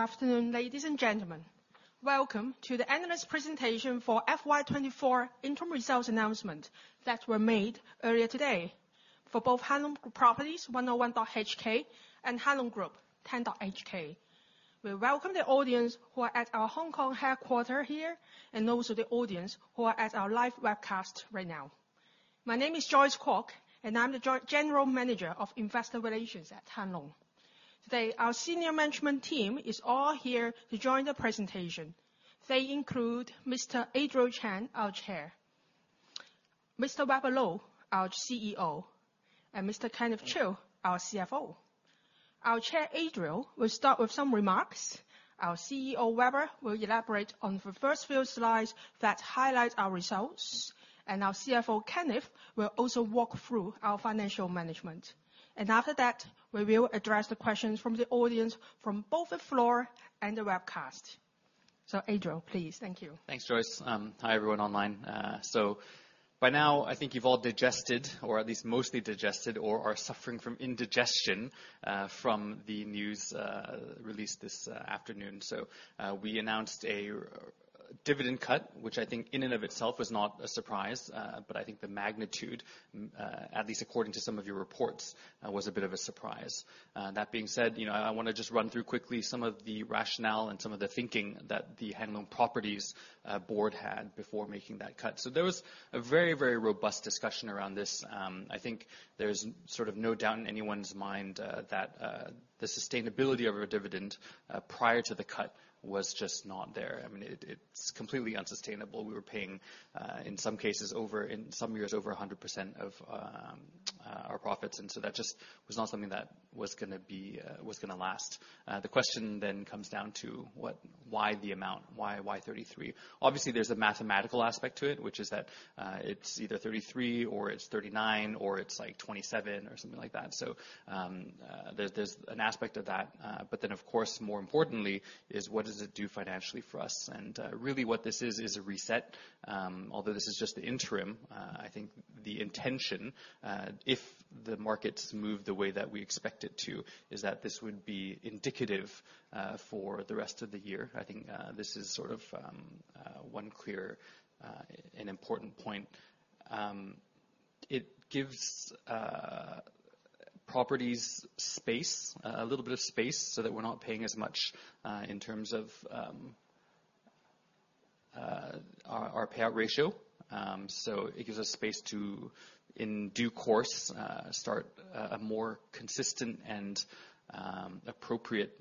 Good afternoon, ladies and gentlemen. Welcome to the analyst presentation for FY 2024 interim results announcement that were made earlier today for both Hang Lung Properties, 101.HK, and Hang Lung Group, 10.HK. We welcome the audience who are at our Hong Kong headquarters here, and also the audience who are at our live webcast right now. My name is Joyce Kwok, and I'm the General Manager of Investor Relations at Hang Lung. Today, our senior management team is all here to join the presentation. They include Mr. Adriel Chan, our Chair, Mr. Weber Lo, our CEO, and Mr. Kenneth Chiu, our CFO. Our Chair, Adriel, will start with some remarks. Our CEO, Weber, will elaborate on the first few slides that highlight our results, and our CFO, Kenneth, will also walk through our financial management. After that, we will address the questions from the audience, from both the floor and the webcast. Adriel, please. Thank you. Thanks, Joyce. Hi, everyone online. So by now, I think you've all digested, or at least mostly digested, or are suffering from indigestion from the news released this afternoon. So, we announced a dividend cut, which I think in and of itself was not a surprise, but I think the magnitude, at least according to some of your reports, was a bit of a surprise. That being said, you know, I wanna just run through quickly some of the rationale and some of the thinking that the Hang Lung Properties board had before making that cut. So there was a very, very robust discussion around this. I think there's sort of no doubt in anyone's mind that the sustainability of our dividend prior to the cut was just not there. I mean, it's completely unsustainable. We were paying, in some cases, over, in some years, over 100% of our profits, and so that just was not something that was gonna be, was gonna last. The question then comes down to what, why the amount? Why 33? Obviously, there's a mathematical aspect to it, which is that, it's either 33 or it's 39, or it's like 27 or something like that. So, there's an aspect of that, but then, of course, more importantly, is what does it do financially for us? And, really what this is, is a reset. Although this is just the interim, I think the intention, if the markets move the way that we expect it to, is that this would be indicative, for the rest of the year. I think this is sort of one clear and important point. It gives properties space a little bit of space, so that we're not paying as much in terms of our payout ratio. So it gives us space to, in due course, start a more consistent and appropriate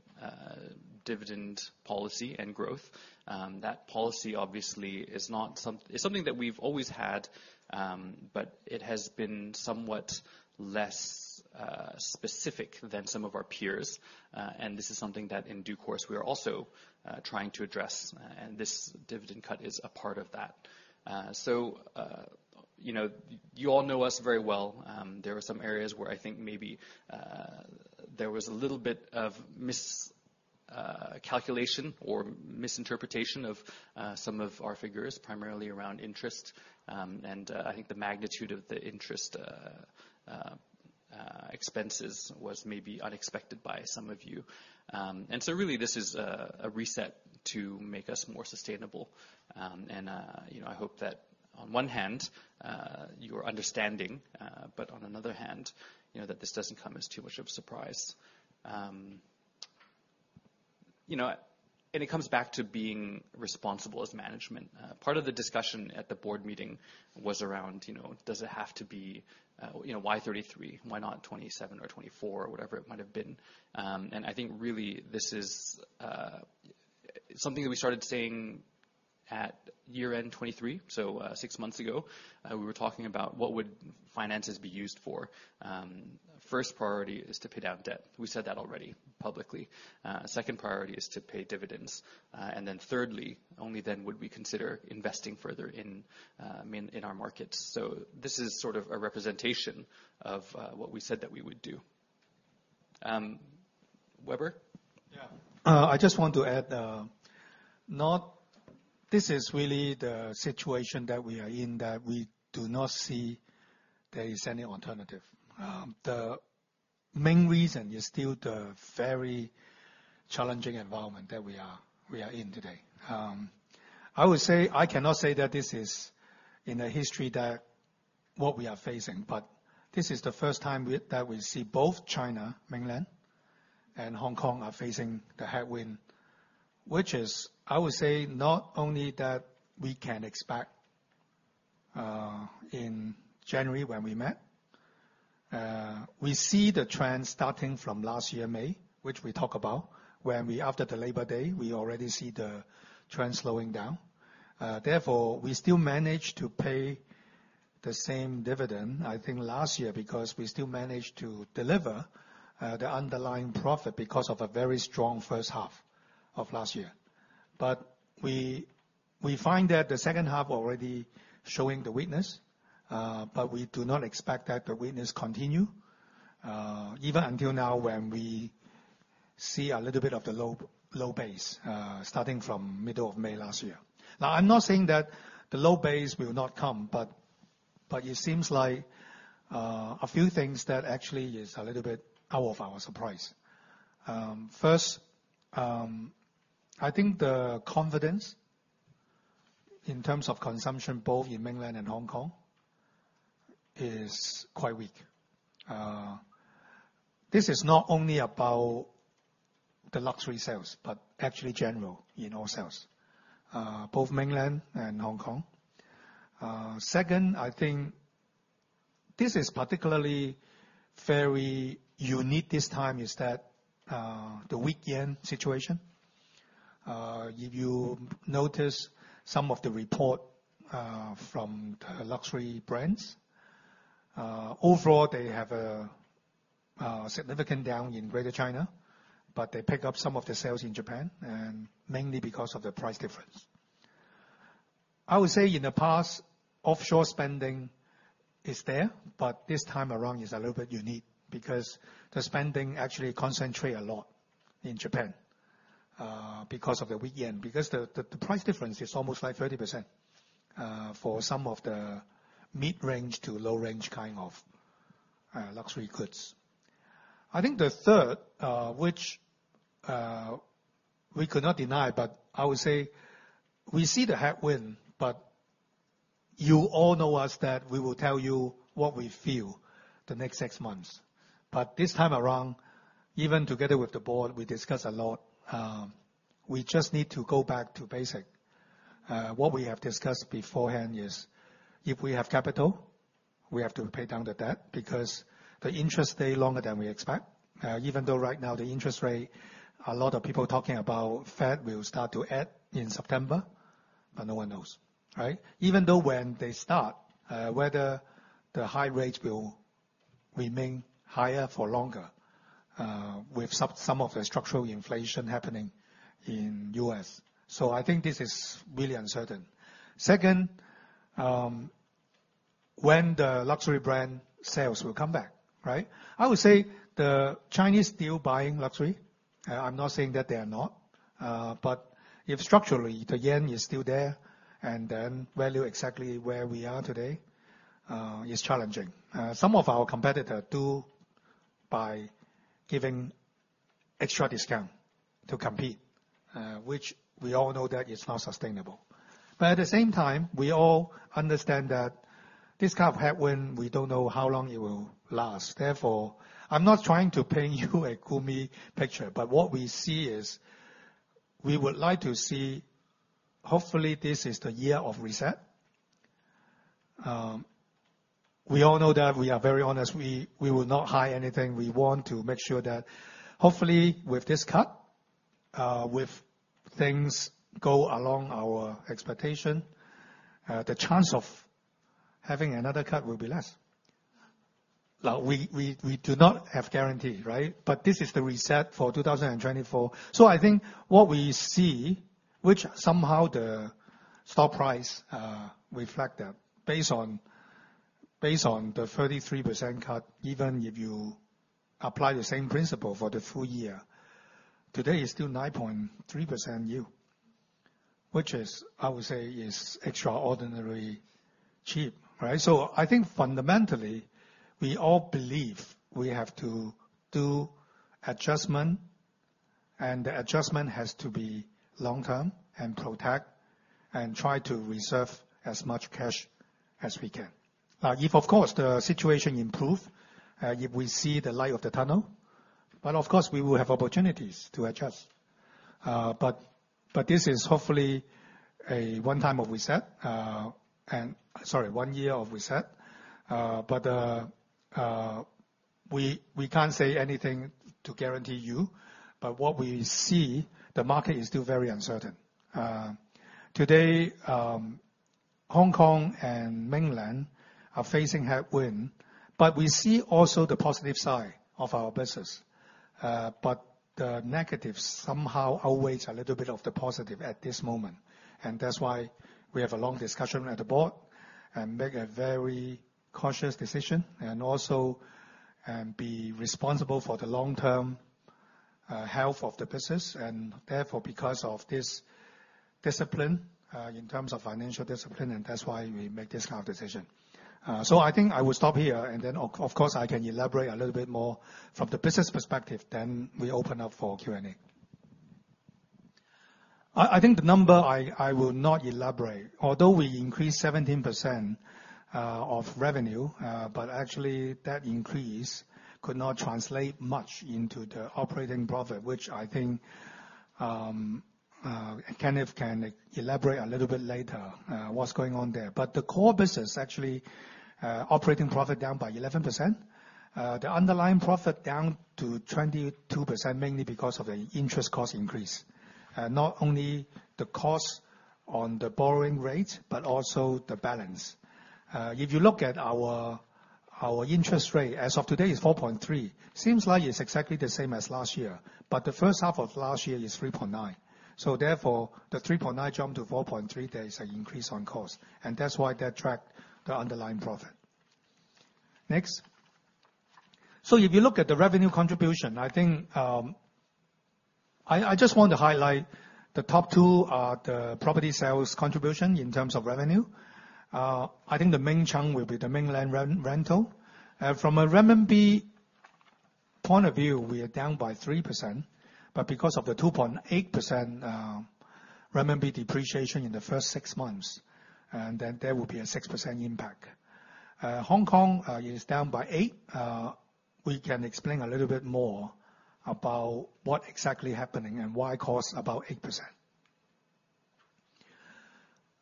dividend policy and growth. That policy obviously is not—it's something that we've always had, but it has been somewhat less specific than some of our peers, and this is something that in due course we are also trying to address, and this dividend cut is a part of that. So, you know, you all know us very well. There are some areas where I think maybe there was a little bit of miscalculation or misinterpretation of some of our figures, primarily around interest. And I think the magnitude of the interest expenses was maybe unexpected by some of you. And so really, this is a reset to make us more sustainable. And you know, I hope that on one hand you're understanding, but on another hand, you know, that this doesn't come as too much of a surprise. You know, and it comes back to being responsible as management. Part of the discussion at the board meeting was around, you know, does it have to be, you know, why 33? Why not 27 or 24? Or whatever it might have been. And I think really, this is something that we started saying at year-end 2023, so six months ago. We were talking about what would finances be used for. First priority is to pay down debt. We said that already publicly. Second priority is to pay dividends. And then thirdly, only then would we consider investing further in, I mean, in our markets. So this is sort of a representation of what we said that we would do. Weber? Yeah. I just want to add, not... This is really the situation that we are in, that we do not see there is any alternative. The main reason is still the very challenging environment that we are in today. I would say, I cannot say that this is in the history that what we are facing, but this is the first time that we see both China mainland and Hong Kong are facing the headwind. Which is, I would say, not only that we can expect in January, when we met, we see the trend starting from last year, May, which we talk about, when we, after the Labor Day, we already see the trend slowing down. Therefore, we still manage to pay the same dividend, I think, last year, because we still managed to deliver the underlying profit because of a very strong first half of last year. But we, we find that the second half already showing the weakness, but we do not expect that the weakness continue even until now, when we see a little bit of the low base starting from middle of May last year. Now, I'm not saying that the low base will not come, but. But it seems like a few things that actually is a little bit out of our surprise. First, I think the confidence in terms of consumption, both in Mainland and Hong Kong, is quite weak. This is not only about the luxury sales, but actually general in all sales, both Mainland and Hong Kong. Second, I think this is particularly very unique this time, is that the weak yen situation. If you notice some of the report from the luxury brands, overall, they have a significant down in Greater China, but they pick up some of the sales in Japan, and mainly because of the price difference. I would say in the past, offshore spending is there, but this time around is a little bit unique because the spending actually concentrate a lot in Japan because of the weak yen. Because the price difference is almost like 30%, for some of the mid-range to low range kind of luxury goods. I think the third, which we could not deny, but I would say we see the headwind, but you all know us that we will tell you what we feel the next six months. But this time around, even together with the board, we discuss a lot, we just need to go back to basic. What we have discussed beforehand is if we have capital, we have to pay down the debt because the interest stay longer than we expect. Even though right now, the interest rate, a lot of people talking about Fed will start to add in September, but no one knows, right? Even though when they start, whether the high rate will remain higher for longer, with some of the structural inflation happening in U.S. So I think this is really uncertain. Second, when the luxury brand sales will come back, right? I would say the Chinese still buying luxury. I'm not saying that they are not, but if structurally, the yen is still there, and then value exactly where we are today, is challenging. Some of our competitor do by giving extra discount to compete, which we all know that is not sustainable. But at the same time, we all understand that this kind of headwind, we don't know how long it will last. Therefore, I'm not trying to paint you a gloomy picture, but what we see is, we would like to see... Hopefully, this is the year of reset. We all know that we are very honest. We, we will not hide anything. We want to make sure that, hopefully, with this cut, with things go along our expectation, the chance of having another cut will be less. Now, we do not have guarantee, right? But this is the reset for 2024. So I think what we see, which somehow the stock price reflect that, based on the 33% cut, even if you apply the same principle for the full year, today is still 9.3% view, which is, I would say, extraordinarily cheap, right? So I think fundamentally, we all believe we have to do adjustment, and the adjustment has to be long-term and protect and try to reserve as much cash as we can. If, of course, the situation improve, if we see the light of the tunnel, but of course, we will have opportunities to adjust. But this is hopefully a one time of reset, and sorry, one year of reset, but we can't say anything to guarantee you, but what we see, the market is still very uncertain. Today, Hong Kong and Mainland are facing headwind, but we see also the positive side of our business. But the negatives somehow outweighs a little bit of the positive at this moment, and that's why we have a long discussion with the board and make a very cautious decision and also, and be responsible for the long-term health of the business, and therefore, because of this discipline in terms of financial discipline, and that's why we make this kind of decision. So I think I will stop here, and then of course, I can elaborate a little bit more from the business perspective, then we open up for Q&A. I think the number I will not elaborate. Although we increased 17% of revenue, but actually, that increase could not translate much into the operating profit, which I think Kenneth can elaborate a little bit later, what's going on there. But the core business, actually, operating profit down by 11%. The underlying profit down to 22%, mainly because of the interest cost increase. Not only the cost on the borrowing rate, but also the balance. If you look at our interest rate, as of today is 4.3%. Seems like it's exactly the same as last year, but the first half of last year is 3.9%. So therefore, the 3.9% jump to 4.3%, there is an increase on cost, and that's why that tracked the underlying profit. Next. So if you look at the revenue contribution, I think, I just want to highlight the top two, the property sales contribution in terms of revenue. I think the main chunk will be the mainland rental. From a renminbi point of view, we are down by 3%, but because of the 2.8% renminbi depreciation in the first six months, and then there will be a 6% impact. Hong Kong is down by 8%. We can explain a little bit more about what exactly happening and why it costs about 8%.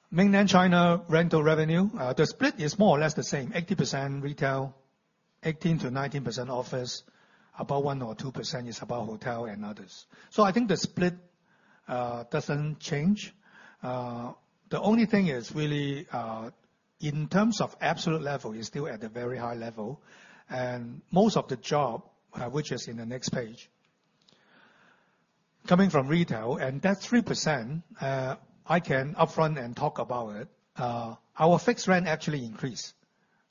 Mainland China rental revenue, the split is more or less the same, 80% retail, 18%-19% office, about 1% or 2% is about hotel and others. So I think the split doesn't change. The only thing is really, in terms of absolute level, it's still at a very high level, and most of the job, which is in the next page, coming from retail and that 3%, I can upfront and talk about it. Our fixed rent actually increased.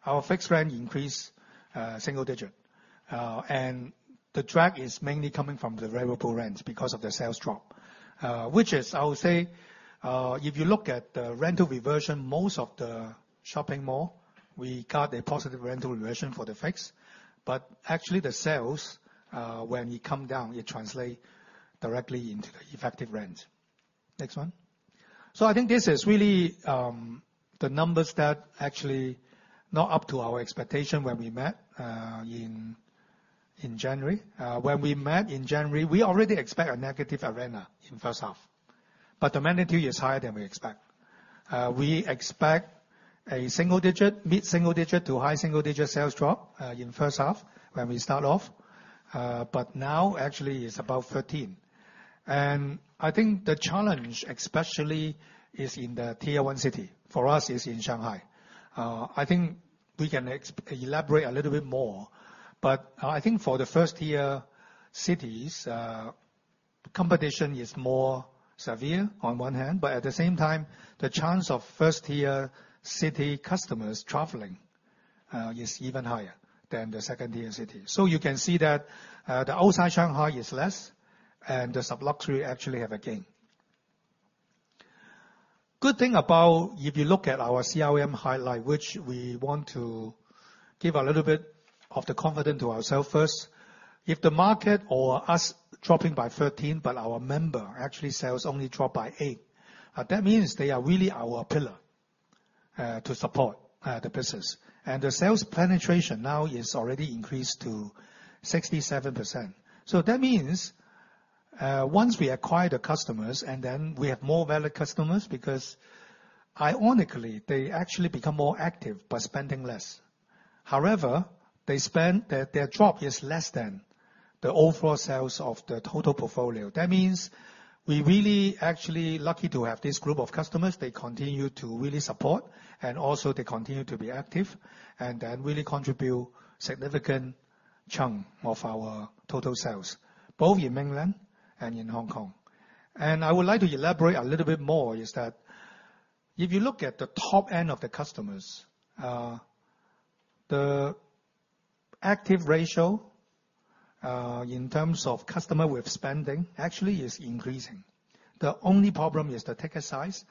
Our fixed rent increased, single digit, and the drag is mainly coming from the variable rents because of the sales drop. Which is, I would say, if you look at the rental reversion, most of the shopping mall, we got a positive rental reversion for the fixed, but actually the sales, when it come down, it translate directly into the effective rent. Next one. So I think this is really, the numbers that actually not up to our expectation when we met, in January. When we met in January, we already expect a negative reversion in first half, but the magnitude is higher than we expect. We expect a single digit, mid-single digit to high single-digit sales drop, in first half when we start off, but now actually it's about 13. I think the challenge especially is in the Tier One city, for us, is in Shanghai. I think we can elaborate a little bit more, but I think for the first tier cities, competition is more severe on one hand, but at the same time, the chance of first tier city customers traveling is even higher than the second tier city. So you can see that, the outside Shanghai is less, and the sub-luxury actually have a gain. Good thing about if you look at our CRM highlight, which we want to give a little bit of the confidence to ourselves first. If the market or us dropping by 13, but our member actually sales only drop by eight, that means they are really our pillar to support the business. And the sales penetration now is already increased to 67%. So that means, once we acquire the customers, and then we have more valued customers because ironically, they actually become more active by spending less. However, they spend... Their, their drop is less than the overall sales of the total portfolio. That means we really actually lucky to have this group of customers. They continue to really support, and also they continue to be active and then really contribute significant chunk of our total sales, both in mainland and in Hong Kong. And I would like to elaborate a little bit more, is that if you look at the top end of the customers, the active ratio, in terms of customer with spending, actually is increasing. The only problem is the ticket size.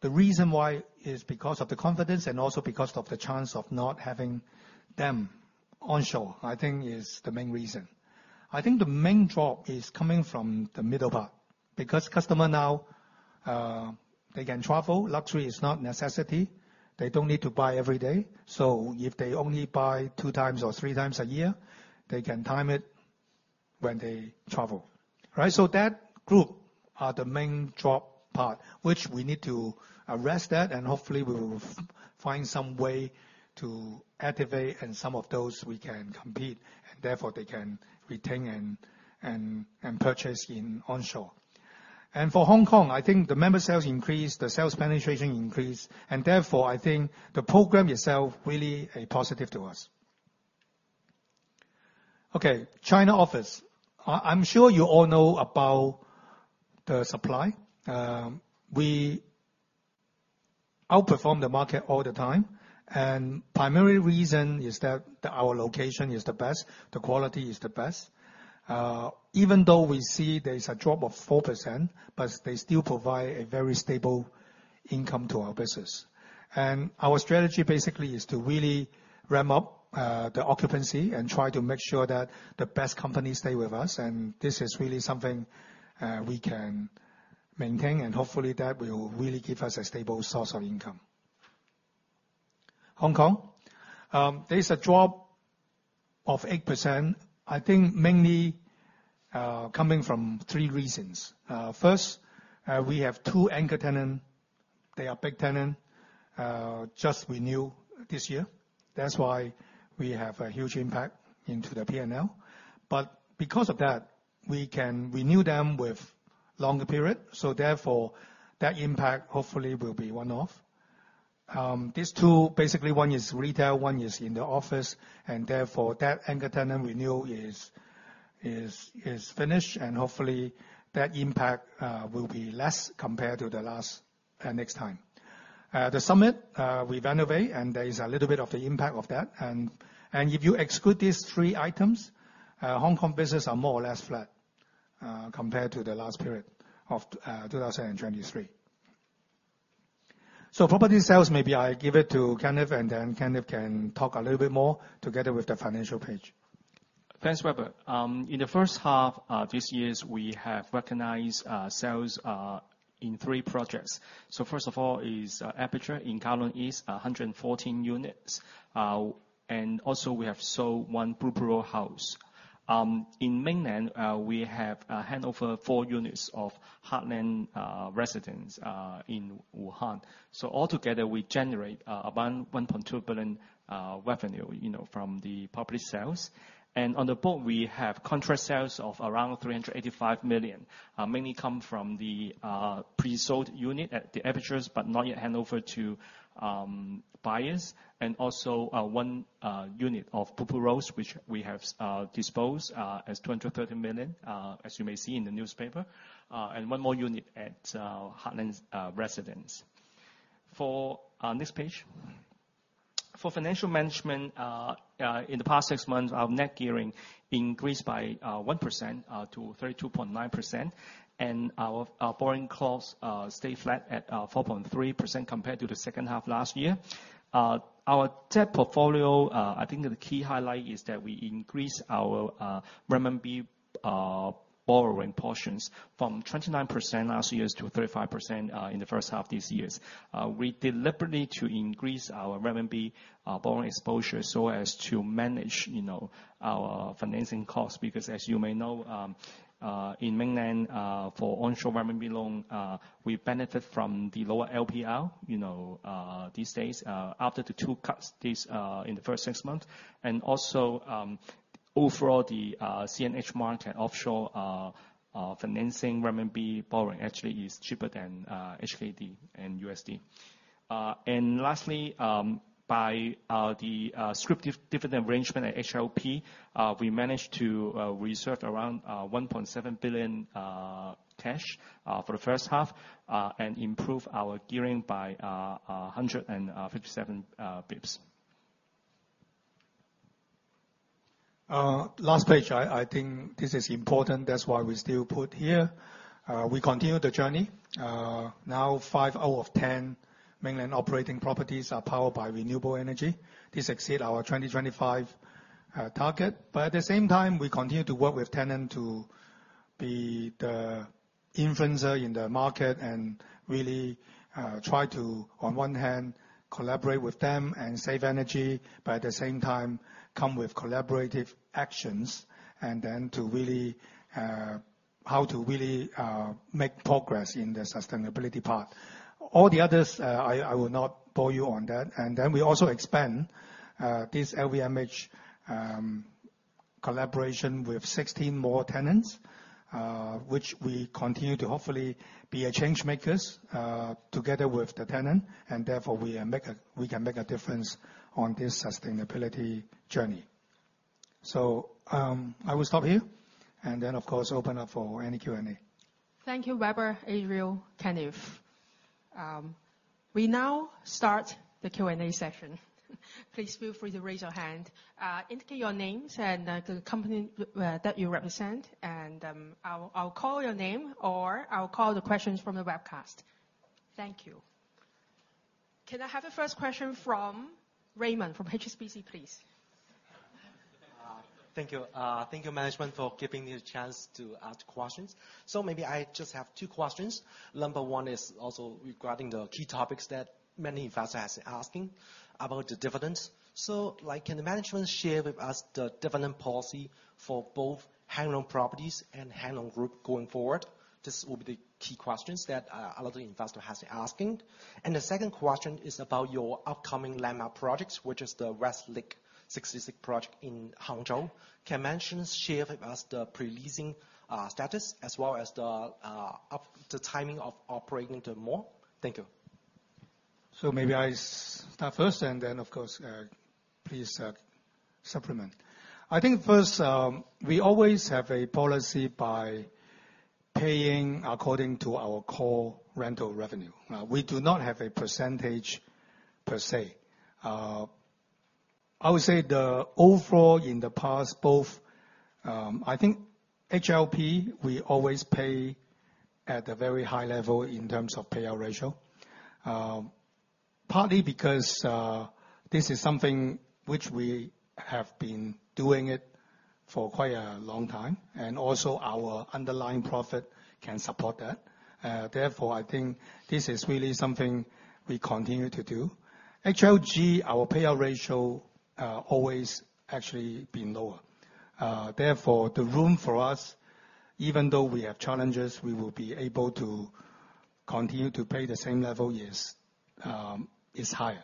The reason why is because of the confidence and also because of the chance of not having them onshore, I think is the main reason. I think the main drop is coming from the middle part, because customer now, they can travel, luxury is not necessity. They don't need to buy every day, so if they only buy two times or three times a year, they can time it when they travel, right? So that group are the main drop part, which we need to arrest that, and hopefully we will find some way to activate and some of those we can compete, and therefore they can retain and purchase in onshore. And for Hong Kong, I think the member sales increased, the sales penetration increased, and therefore, I think the program itself really a positive to us. Okay, China office. I'm sure you all know about the supply. We outperform the market all the time, and primary reason is that our location is the best, the quality is the best. Even though we see there is a drop of 4%, but they still provide a very stable income to our business. And our strategy basically is to really ramp up the occupancy and try to make sure that the best companies stay with us, and this is really something we can maintain, and hopefully that will really give us a stable source of income. Hong Kong, there's a drop of 8%, I think mainly coming from three reasons. First, we have two anchor tenant. They are big tenant just renew this year. That's why we have a huge impact into the P&L. But because of that, we can renew them with longer period, so therefore, that impact hopefully will be one-off. These two, basically one is retail, one is in the office, and therefore, that anchor tenant renewal is finished, and hopefully that impact will be less compared to the last next time. The Summit we renovate, and there is a little bit of the impact of that. And if you exclude these three items, Hong Kong business are more or less flat compared to the last period of 2023. So property sales, maybe I give it to Kenneth, and then Kenneth can talk a little bit more together with the financial page. Thanks, Weber. In the first half, this year, we have recognized sales in three projects. First of all is Aperture in Kowloon East, 114 units. And also we have sold one Blue Pool House. In mainland, we have handover four units of Heartland Residences in Wuhan. So altogether, we generate about 1.2 billion revenue, you know, from the property sales. And on the board, we have contract sales of around 385 million, mainly come from the pre-sold unit at the Aperture, but not yet handover to buyers, and also one unit of Blue Pool House, which we have disposed as 230 million, as you may see in the newspaper, and one more unit at Heartland Residences. For, on this page, for financial management, in the past six months, our net gearing increased by 1% to 32.9%, and our borrowing costs stay flat at 4.3% compared to the second half last year. Our debt portfolio, I think the key highlight is that we increase our renminbi borrowing portions from 29% last year to 35% in the first half this year. We deliberately to increase our renminbi borrowing exposure so as to manage, you know, our financing costs, because as you may know, in mainland, for onshore renminbi loan, we benefit from the lower LPR, you know, these days, after the two cuts, this, in the first six months. And also, overall, the CNH market offshore financing renminbi borrowing actually is cheaper than HKD and USD. And lastly, by the scrip dividend arrangement at HLP, we managed to reserve around 1.7 billion cash for the first half, and improve our gearing by 157 basis points. Last page. I, I think this is important, that's why we still put here. We continue the journey. Now five out of 10 mainland operating properties are powered by renewable energy. This exceed our 2025 target, but at the same time, we continue to work with tenant to be the influencer in the market and really, try to, on one hand, collaborate with them and save energy, but at the same time, come with collaborative actions, and then to really, how to really, make progress in the sustainability part. All the others, I, I will not bore you on that. And then we also expand this LVMH collaboration with 16 more tenants, which we continue to hopefully be a change makers together with the tenant, and therefore, we can make a difference on this sustainability journey. So, I will stop here, and then, of course, open up for any Q&A. Thank you, Weber, Adriel, Kenneth. We now start the Q&A session. Please feel free to raise your hand. Indicate your names and the company that you represent, and I'll call your name, or I'll call the questions from the webcast. Thank you. Can I have the first question from Raymond, from HSBC, please? Thank you. Thank you, management, for giving me the chance to ask questions. So maybe I just have two questions. Number one is also regarding the key topics that many investors asking about the dividends. So, like, can the management share with us the dividend policy for both Hang Lung Properties and Hang Lung Group going forward? This will be the key questions that a lot of investor has asking. And the second question is about your upcoming landmark projects, which is the Westlake 66 project in Hangzhou. Can management share with us the pre-leasing status, as well as the timing of operating the mall? Thank you. So maybe I start first, and then, of course, please, supplement. I think first, we always have a policy by paying according to our core rental revenue. We do not have a percentage per se. I would say the overall in the past, both, I think HLP, we always pay at a very high level in terms of payout ratio. Partly because, this is something which we have been doing it for quite a long time, and also our underlying profit can support that. Therefore, I think this is really something we continue to do. HLG, our payout ratio, always actually be lower. Therefore, the room for us, even though we have challenges, we will be able to continue to pay the same level, yes, is higher.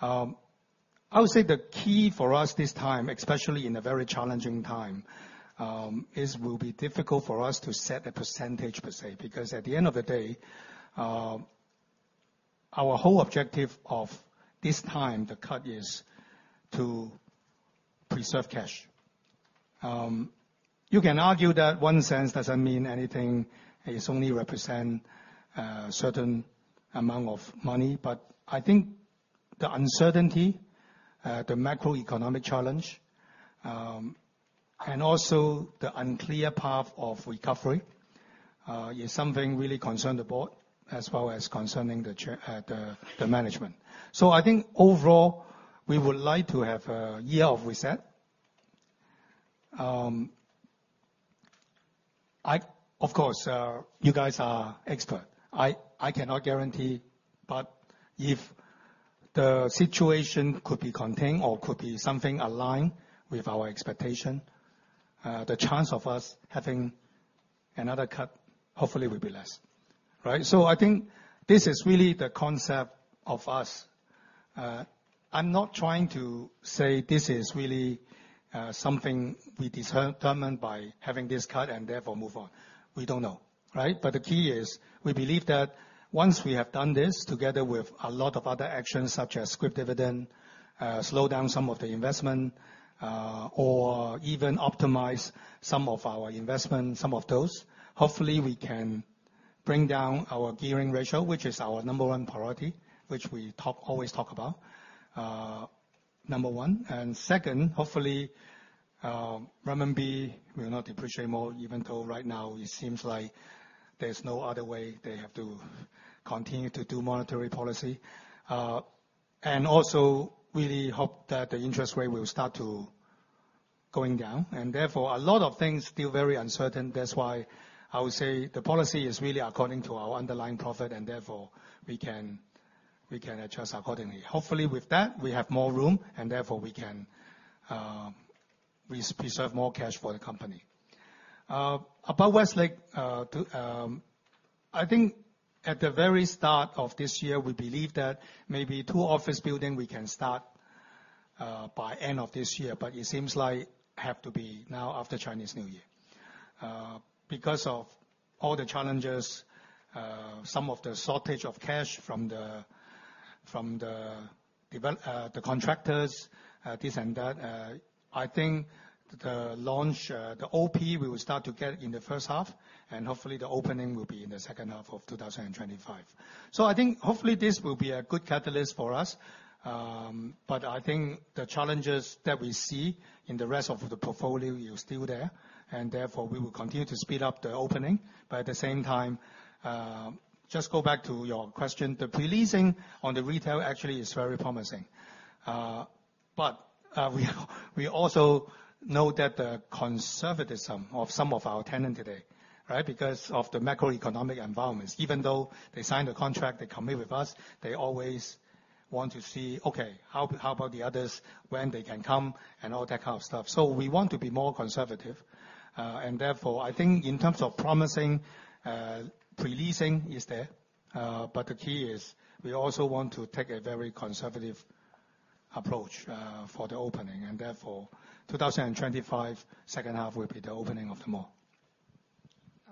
I would say the key for us this time, especially in a very challenging time, it will be difficult for us to set a percentage per se, because at the end of the day, our whole objective of this time, the cut is to preserve cash. You can argue that one cent doesn't mean anything, it only represents a certain amount of money. But I think the uncertainty, the macroeconomic challenge, and also the unclear path of recovery, is something really concerning the board as well as the chairman and the management. So I think overall, we would like to have a year of reset. Of course, you guys are experts. I cannot guarantee, but if the situation could be contained or could be something aligned with our expectation, the chance of us having another cut hopefully will be less, right? So I think this is really the concept of us. I'm not trying to say this is really, something we determined by having this cut and therefore move on. We don't know, right? But the key is, we believe that once we have done this together with a lot of other actions such as scrip dividend, slow down some of the investment, or even optimize some of our investment, some of those. Hopefully, we can bring down our gearing ratio, which is our number one priority, which we talk, always talk about, number one. Second, hopefully, renminbi will not depreciate more, even though right now it seems like there's no other way, they have to continue to do monetary policy. And also really hope that the interest rate will start to going down, and therefore, a lot of things still very uncertain. That's why I would say the policy is really according to our underlying profit, and therefore, we can, we can adjust accordingly. Hopefully, with that, we have more room, and therefore, we can, preserve more cash for the company. About Westlake, to, I think at the very start of this year, we believe that maybe two office building, we can start, by end of this year, but it seems like have to be now after Chinese New Year. Because of all the challenges, some of the shortage of cash from the, from the devel- the contractors, this and that, I think the launch, the OP, we will start to get in the first half, and hopefully, the opening will be in the second half of 2025. So I think hopefully, this will be a good catalyst for us. But I think the challenges that we see in the rest of the portfolio is still there, and therefore, we will continue to speed up the opening. But at the same time, just go back to your question, the pre-leasing on the retail actually is very promising. But we also know that the conservatism of some of our tenant today, right? Because of the macroeconomic environments, even though they signed a contract, they commit with us, they always want to see, okay, how, how about the others, when they can come, and all that kind of stuff. So we want to be more conservative, and therefore, I think in terms of promising, pre-leasing is there, but the key is we also want to take a very conservative approach, for the opening, and therefore, 2025, second half will be the opening of the mall.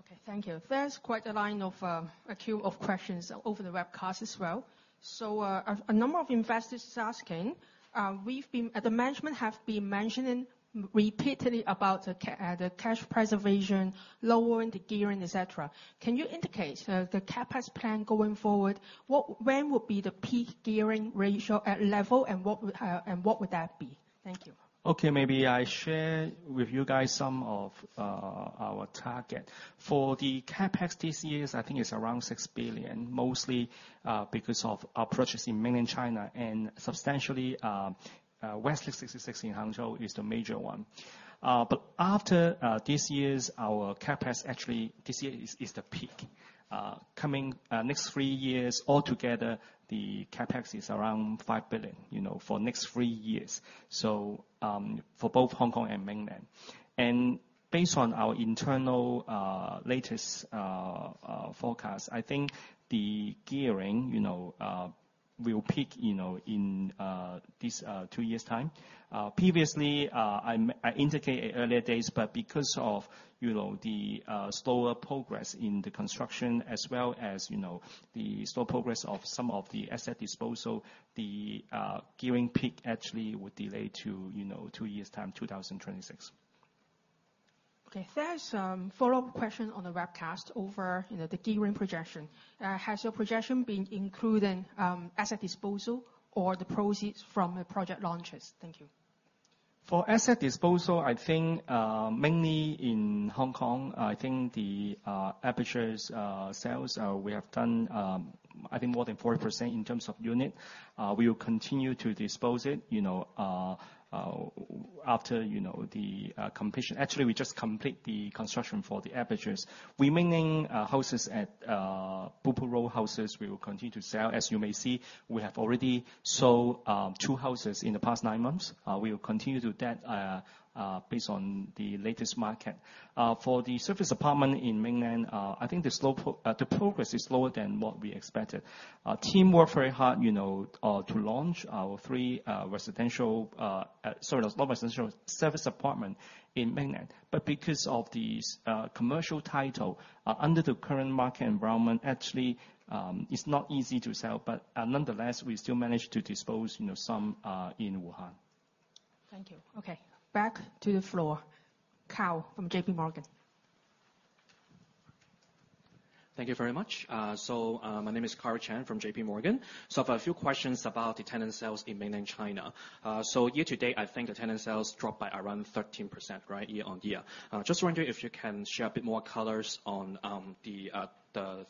Okay, thank you. There's quite a line of, a queue of questions over the webcast as well. So, a number of investors are asking, we've been... the management have been mentioning repeatedly about the cash preservation, lowering the gearing, et cetera. Can you indicate, the CapEx plan going forward? When would be the peak gearing ratio at level, and what, and what would that be? Thank you. Okay, maybe I share with you guys some of our target. For the CapEx this year, I think it's around 6 billion, mostly because of our purchase in mainland China, and substantially Westlake 66 in Hangzhou is the major one. But after this year's our CapEx, actually, this year is the peak. Coming next three years, altogether, the CapEx is around 5 billion, you know, for next three years, so for both Hong Kong and Mainland. And based on our internal latest forecast, I think the gearing, you know, will peak, you know, in this two years' time. Previously, I indicated earlier days, but because of, you know, the slower progress in the construction, as well as, you know, the slow progress of some of the asset disposal, the gearing peak actually would delay to, you know, two years' time, 2026. Okay, there's some follow-up question on the webcast over, you know, the gearing projection. Has your projection been including asset disposal or the proceeds from the project launches? Thank you. For asset disposal, I think mainly in Hong Kong, I think the Aperture sales we have done, I think more than 40% in terms of unit. We will continue to dispose it, you know after, you know, the completion. Actually, we just complete the construction for the Aperture. Remaining houses at Blue Pool Road houses, we will continue to sell. As you may see, we have already sold two houses in the past nine months. We will continue to do that based on the latest market. For the service apartment in Mainland, I think the progress is slower than what we expected. Our team worked very hard, you know, to launch our three residential, sorry, not residential, service apartment in Mainland. But because of these commercial title, under the current market environment, actually, it's not easy to sell, but nonetheless, we still managed to dispose, you know, some in Wuhan.... Thank you. Okay, back to the floor. Karl from JPMorgan. Thank you very much. So, my name is Karl Chan from JPMorgan. So I have a few questions about the tenant sales in mainland China. So year-to-date, I think the tenant sales dropped by around 13%, right, year-on-year. Just wondering if you can share a bit more colors on the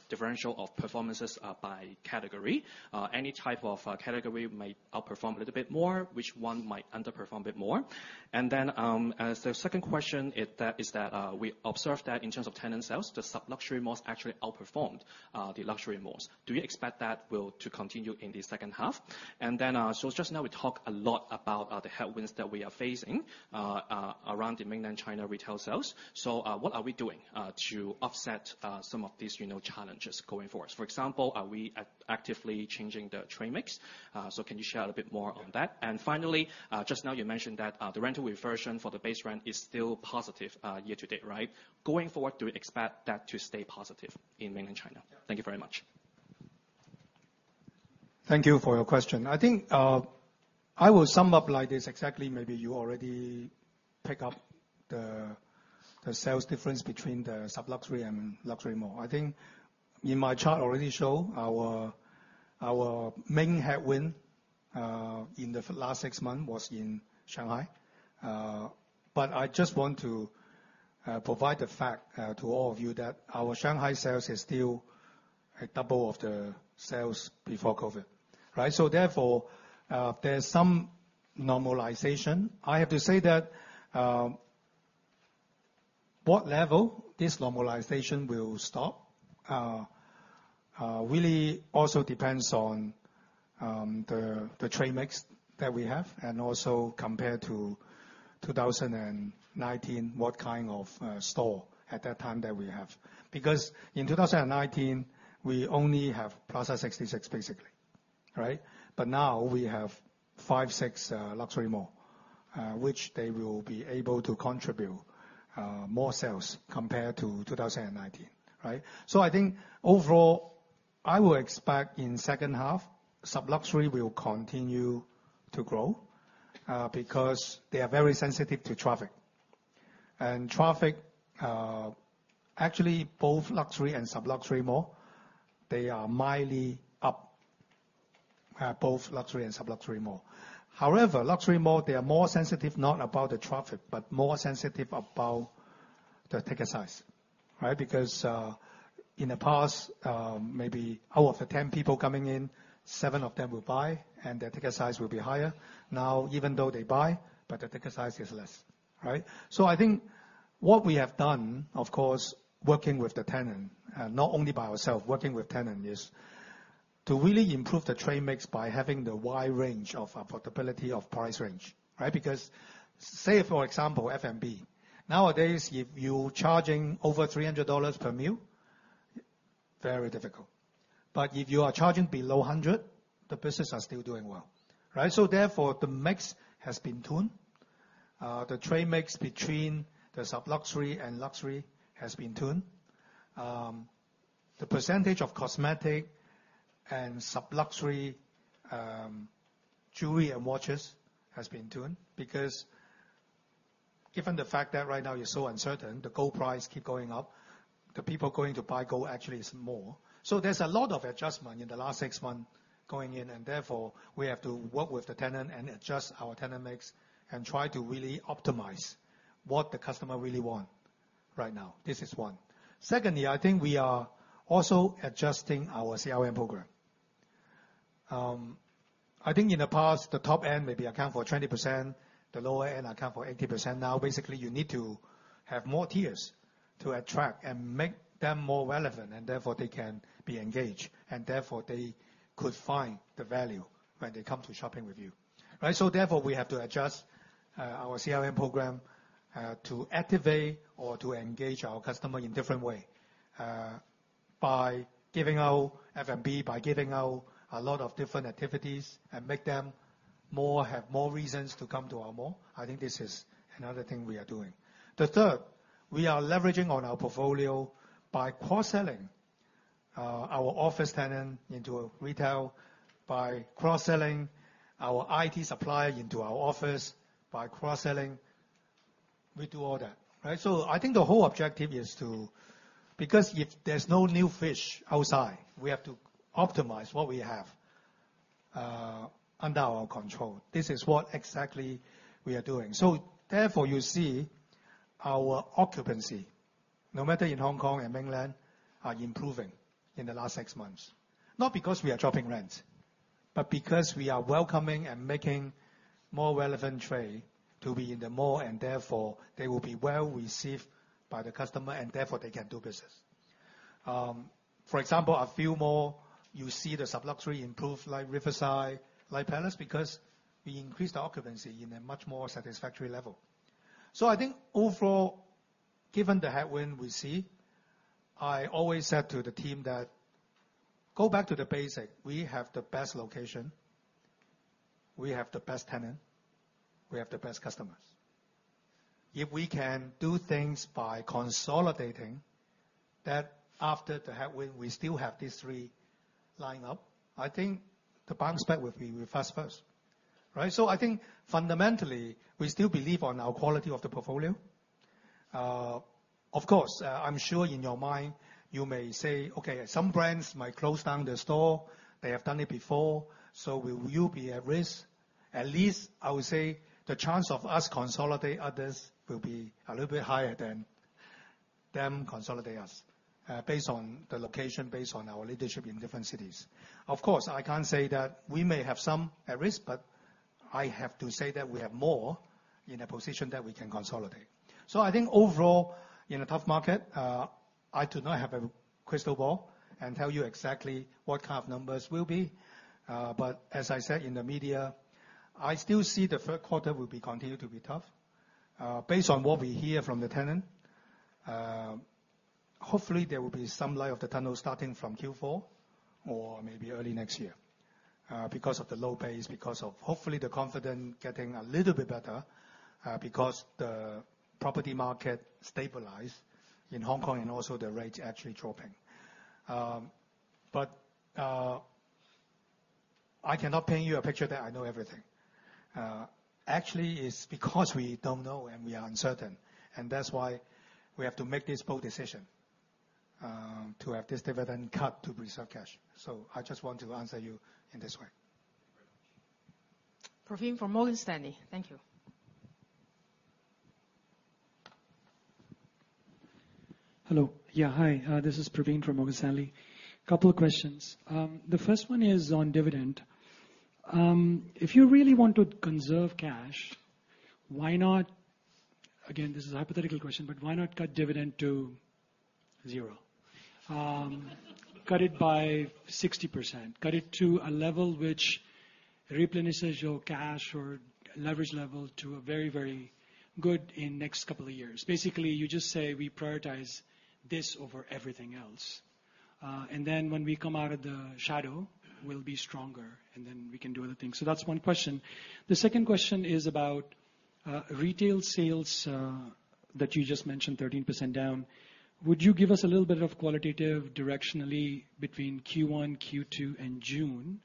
differential of performances by category? Any type of category might outperform a little bit more, which one might underperform a bit more. And then, as the second question is that we observed that in terms of tenant sales, the sub-luxury malls actually outperformed the luxury malls. Do you expect that will to continue in the second half? And then, so just now, we talked a lot about the headwinds that we are facing around the mainland China retail sales. So, what are we doing to offset some of these, you know, challenges going forward? For example, are we actively changing the trade mix? So can you share a bit more on that? And finally, just now you mentioned that the rental reversion for the base rent is still positive year-to-date, right? Going forward, do you expect that to stay positive in mainland China? Thank you very much. Thank you for your question. I think I will sum up like this, exactly maybe you already pick up the sales difference between the sub-luxury and luxury mall. I think in my chart already show our main headwind in the last 6 months was in Shanghai. But I just want to provide the fact to all of you that our Shanghai sales is still at double of the sales before COVID, right? So therefore, there's some normalization. I have to say that what level this normalization will stop really also depends on the trade mix that we have, and also compared to 2019, what kind of store at that time that we have. Because in 2019, we only have Plaza 66, basically. Right? But now we have five, six luxury mall, which they will be able to contribute more sales compared to 2019, right? So I think overall, I will expect in second half, sub-luxury will continue to grow, because they are very sensitive to traffic. And traffic, actually, both luxury and sub-luxury mall, they are mildly up, both luxury and sub-luxury mall. However, luxury mall, they are more sensitive, not about the traffic, but more sensitive about the ticket size, right? Because, in the past, maybe out of the 10 people coming in, seven of them will buy, and their ticket size will be higher. Now, even though they buy, but the ticket size is less, right? So I think what we have done, of course, working with the tenant, not only by ourselves, working with tenant, is to really improve the trade mix by having the wide range of affordability of price range, right? Because, say, for example, F&B, nowadays, if you're charging over 300 dollars per meal, very difficult. But if you are charging below 100, the business are still doing well, right? So therefore, the mix has been tuned. The trade mix between the sub-luxury and luxury has been tuned. The percentage of cosmetic and sub-luxury, jewelry and watches has been tuned. Because given the fact that right now you're so uncertain, the gold price keep going up, the people going to buy gold actually is more. So there's a lot of adjustment in the last six months going in, and therefore, we have to work with the tenant and adjust our tenant mix and try to really optimize what the customer really want right now. This is one. Secondly, I think we are also adjusting our CRM program. I think in the past, the top end maybe account for 20%, the lower end account for 80%. Now, basically, you need to have more tiers to attract and make them more relevant, and therefore they can be engaged, and therefore, they could find the value when they come to shopping with you, right? So therefore, we have to adjust our CRM program to activate or to engage our customer in different way by giving out F&B, by giving out a lot of different activities and make them more, have more reasons to come to our mall. I think this is another thing we are doing. The third, we are leveraging on our portfolio by cross-selling our office tenant into a retail, by cross-selling our IT supplier into our office, by cross-selling. We do all that, right? So I think the whole objective is to, because if there's no new fish outside, we have to optimize what we have under our control. This is what exactly we are doing. So therefore, you see our occupancy, no matter in Hong Kong and mainland, are improving in the last six months. Not because we are dropping rent, but because we are welcoming and making more relevant trade to be in the mall, and therefore, they will be well received by the customer, and therefore, they can do business. For example, a few more, you see the sub-luxury improve, like Riverside, like Plaza, because we increased the occupancy in a much more satisfactory level. So I think overall, given the headwind we see, I always said to the team that: "Go back to the basic. We have the best location, we have the best tenant, we have the best customers."... if we can do things by consolidating, that after the headwind, we still have these three line up, I think the bounce back will be reverse first, right? So I think fundamentally, we still believe on our quality of the portfolio. Of course, I'm sure in your mind, you may say, "Okay, some brands might close down the store. They have done it before, so will you be at risk?" At least I would say, the chance of us consolidate others will be a little bit higher than them consolidate us, based on the location, based on our leadership in different cities. Of course, I can't say that we may have some at risk, but I have to say that we have more in a position that we can consolidate. So I think overall, in a tough market, I do not have a crystal ball and tell you exactly what kind of numbers will be. But as I said in the media, I still see the third quarter will be continued to be tough. Based on what we hear from the tenant, hopefully, there will be some light at the end of the tunnel starting from Q4 or maybe early next year. Because of the low base, because of hopefully the confidence getting a little bit better, because the property market stabilize in Hong Kong, and also the rates actually dropping. But, I cannot paint you a picture that I know everything. Actually, it's because we don't know and we are uncertain, and that's why we have to make this bold decision, to have this dividend cut to preserve cash. So I just want to answer you in this way. Praveen from Morgan Stanley. Thank you. Hello. Yeah, hi. This is Praveen from Morgan Stanley. Couple of questions. The first one is on dividend. If you really want to conserve cash, why not... Again, this is a hypothetical question, but why not cut dividend to zero? Cut it by 60%, cut it to a level which replenishes your cash or leverage level to a very, very good in next couple of years. Basically, you just say, "We prioritize this over everything else. And then when we come out of the shadow, we'll be stronger, and then we can do other things." So that's one question. The second question is about, retail sales, that you just mentioned, 13% down. Would you give us a little bit of qualitative directionally between Q1, Q2 and June?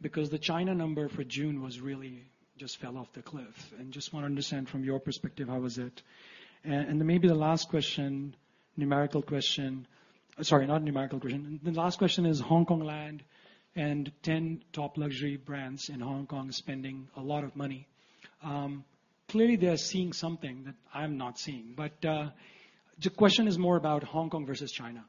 Because the China number for June was really just fell off the cliff, and just want to understand from your perspective, how was it? And then maybe the last question, numerical question—sorry, not numerical question. The last question is Hong Kong Land and ten top luxury brands in Hong Kong spending a lot of money. Clearly, they are seeing something that I'm not seeing, but the question is more about Hong Kong versus China.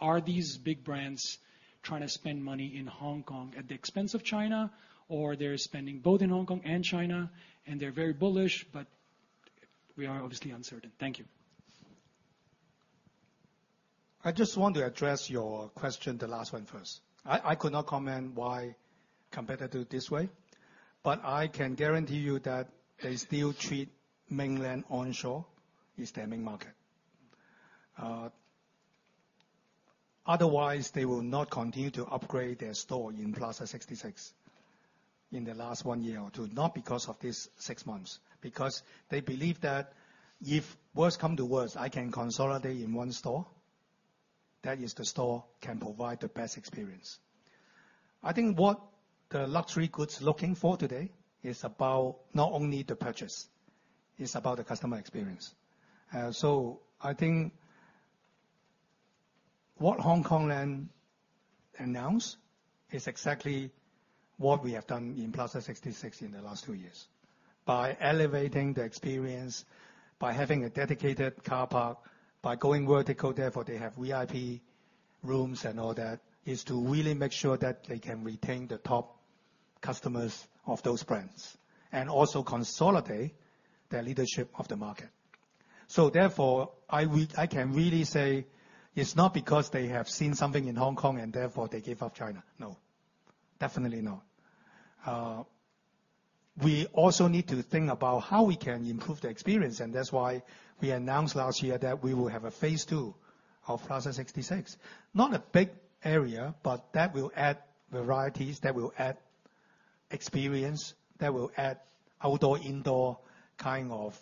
Are these big brands trying to spend money in Hong Kong at the expense of China, or they're spending both in Hong Kong and China, and they're very bullish, but we are obviously uncertain. Thank you. I just want to address your question, the last one first. I could not comment why competitor do it this way, but I can guarantee you that they still treat mainland onshore as their main market. Otherwise, they will not continue to upgrade their store in Plaza 66 in the last one year or two, not because of this 6 months. Because they believe that if worse come to worse, I can consolidate in one store, that is the store can provide the best experience. I think what the luxury goods looking for today is about not only the purchase, it's about the customer experience. So I think what Hongkong Land announced is exactly what we have done in Plaza 66 in the last two years. By elevating the experience, by having a dedicated car park, by going vertical, therefore, they have VIP rooms and all that, is to really make sure that they can retain the top customers of those brands, and also consolidate their leadership of the market. So therefore, I can really say it's not because they have seen something in Hong Kong and therefore they give up China. No, definitely not. We also need to think about how we can improve the experience, and that's why we announced last year that we will have a phase two of Plaza 66. Not a big area, but that will add varieties, that will add experience, that will add outdoor, indoor kind of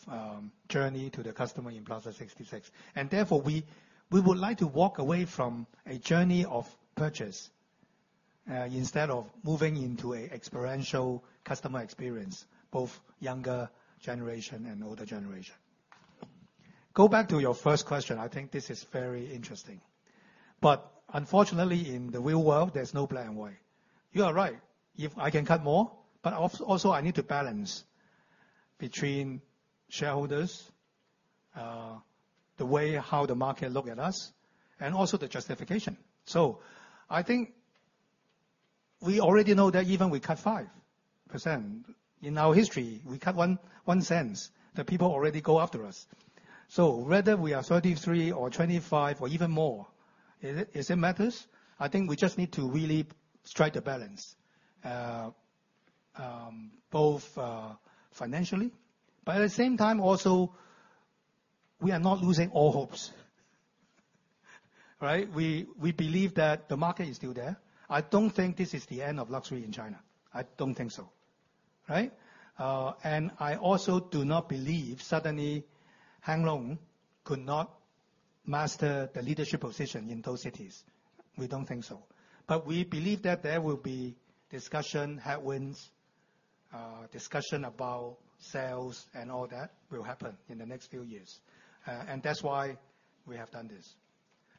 journey to the customer in Plaza 66. And therefore, we would like to walk away from a journey of purchase, instead of moving into an experiential customer experience, both younger generation and older generation. Go back to your first question. I think this is very interesting. But unfortunately, in the real world, there's no black and white. You are right. If I can cut more, but also, I need to balance between shareholders, the way how the market look at us, and also the justification. So I think we already know that even we cut 5%, in our history, we cut 1 cent, the people already go after us. So whether we are 33 or 25, or even more, is it matters? I think we just need to really strike the balance, both financially, but at the same time, also, we are not losing all hopes. Right? We believe that the market is still there. I don't think this is the end of luxury in China. I don't think so, right? And I also do not believe suddenly Hang Lung could not master the leadership position in those cities. We don't think so. But we believe that there will be discussion, headwinds, discussion about sales, and all that will happen in the next few years. And that's why we have done this.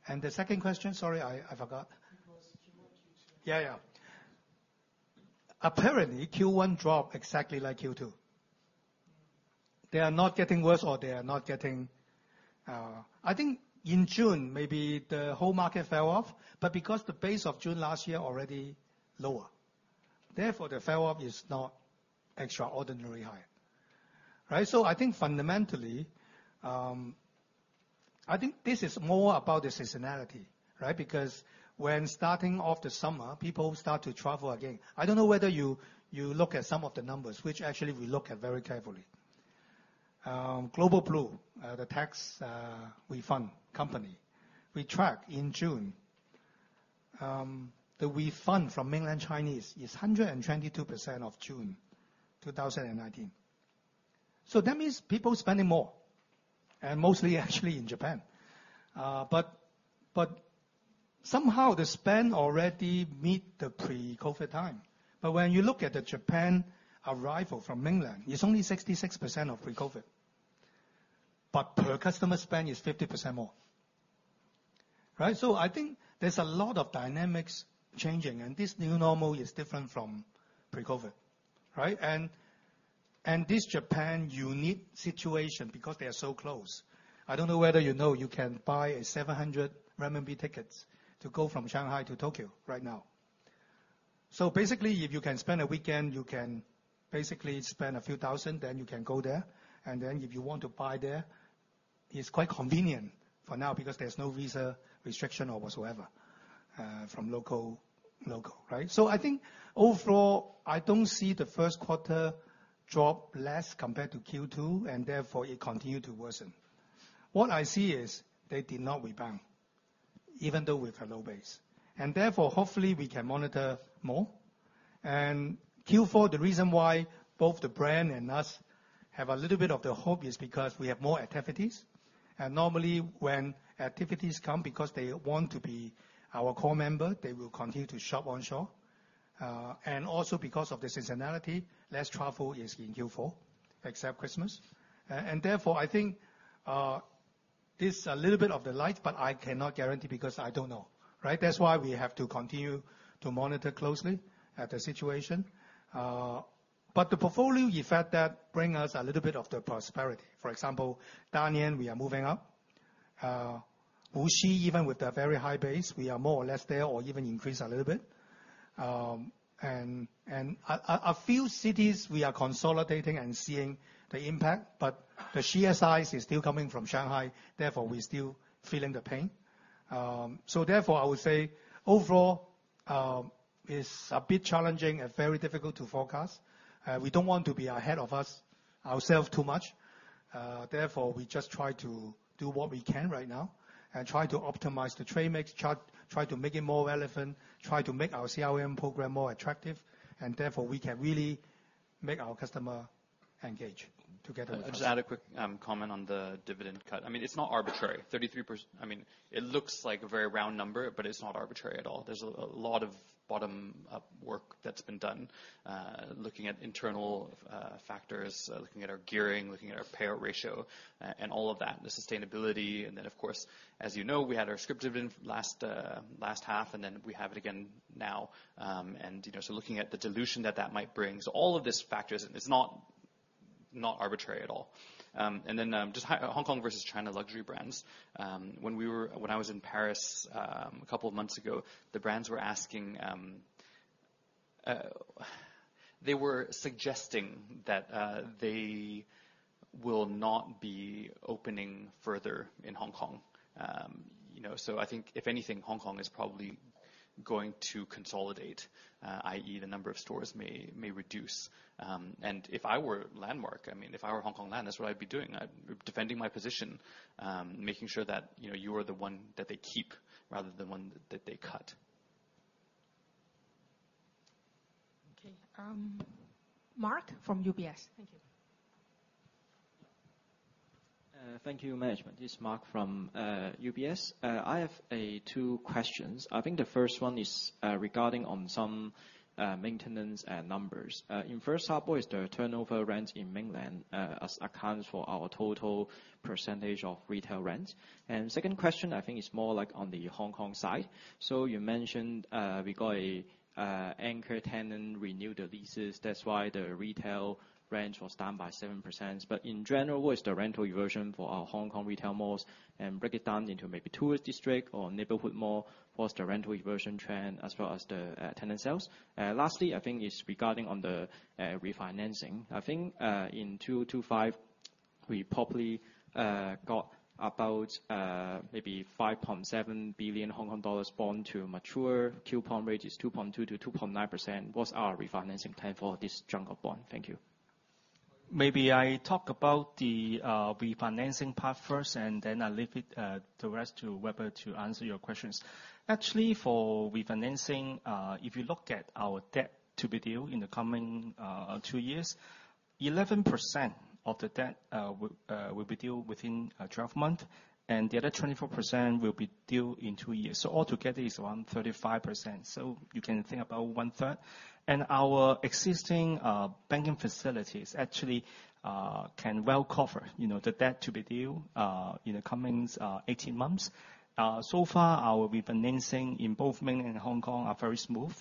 And the second question? Sorry, I forgot. It was Q1 versus- Yeah, yeah. Apparently, Q1 dropped exactly like Q2. They are not getting worse, or they are not getting, I think in June, maybe the whole market fell off, but because the base of June last year already lower, therefore, the follow-up is not extraordinarily high, right? So I think fundamentally, I think this is more about the seasonality, right? Because when starting off the summer, people start to travel again. I don't know whether you, you look at some of the numbers, which actually we look at very carefully. Global Blue, the tax refund company, we track in June, the refund from mainland Chinese is 122% of June 2019. So that means people spending more, and mostly actually in Japan. But, but somehow, the spend already meet the pre-COVID time. But when you look at the Japan arrival from mainland, it's only 66% of pre-COVID, but per customer spend is 50% more, right? So I think there's a lot of dynamics changing, and this new normal is different from pre-COVID, right? And this Japan unique situation because they are so close. I don't know whether you know, you can buy 700 RMB tickets to go from Shanghai to Tokyo right now. So basically, if you can spend a weekend, you can basically spend a few thousand CNY, then you can go there. And then if you want to buy there, it's quite convenient for now because there's no visa restriction or whatsoever from local, right? So I think overall, I don't see the first quarter drop less compared to Q2, and therefore it continue to worsen. What I see is they did not rebound, even though with a low base, and therefore, hopefully, we can monitor more. Q4, the reason why both the brand and us have a little bit of the hope is because we have more activities, and normally, when activities come, because they want to be our core member, they will continue to shop onshore. And also because of the seasonality, less travel is in Q4, except Christmas. And therefore, I think, this a little bit of the light, but I cannot guarantee because I don't know, right? That's why we have to continue to monitor closely at the situation. But the portfolio effect that bring us a little bit of the prosperity. For example, Dalian, we are moving up. Wuxi, even with the very high base, we are more or less there or even increase a little bit. A few cities, we are consolidating and seeing the impact, but the sheer size is still coming from Shanghai, therefore, we're still feeling the pain. So therefore, I would say overall, it's a bit challenging and very difficult to forecast. We don't want to be ahead of ourselves too much. Therefore, we just try to do what we can right now and try to optimize the trade mix chart, try to make it more relevant, try to make our CRM program more attractive, and therefore, we can really make our customer engage together with us. Just add a quick comment on the dividend cut. I mean, it's not arbitrary, 33%... I mean, it looks like a very round number, but it's not arbitrary at all. There's a lot of bottom-up work that's been done, looking at internal factors, looking at our gearing, looking at our payout ratio, and all of that, the sustainability. And then, of course, as you know, we had our scrip dividend last half, and then we have it again now. And, you know, so looking at the dilution that that might bring. So all of these factors, it's not arbitrary at all. And then, just Hong Kong versus China luxury brands. When I was in Paris, a couple of months ago, the brands were asking... They were suggesting that, they will not be opening further in Hong Kong. You know, so I think if anything, Hong Kong is probably going to consolidate, i.e., the number of stores may reduce. And if I were Landmark, I mean, if I were Hongkong Land, that's what I'd be doing. I'd defending my position, making sure that, you know, you are the one that they keep rather than one that they cut. Okay. Mark from UBS. Thank you. Thank you, management. This is Mark from UBS. I have two questions. I think the first one is regarding some maintenance numbers. In first half, what is the turnover rents in mainland as accounts for our total percentage of retail rents? And second question, I think is more like on the Hong Kong side. So you mentioned we got an anchor tenant renew the leases, that's why the retail rents was down by 7%. But in general, what is the rental reversion for our Hong Kong retail malls, and break it down into maybe tourist district or neighborhood mall? What's the rental reversion trend as well as the tenant sales? And lastly, I think it's regarding the refinancing. I think, in two-five, we probably got about, maybe 5.7 billion Hong Kong dollars bond to mature. Coupon rate is 2.2%-2.9%. What's our refinancing plan for this chunk of bond? Thank you. ... Maybe I talk about the refinancing part first, and then I leave it the rest to Weber to answer your questions. Actually, for refinancing, if you look at our debt to be due in the coming two years, 11% of the debt will be due within 12 months, and the other 24% will be due in two years. So altogether is around 35%, so you can think about one-third. And our existing banking facilities actually can well cover, you know, the debt to be due in the coming 18 months. So far, our refinancing in both Mainland and Hong Kong are very smooth.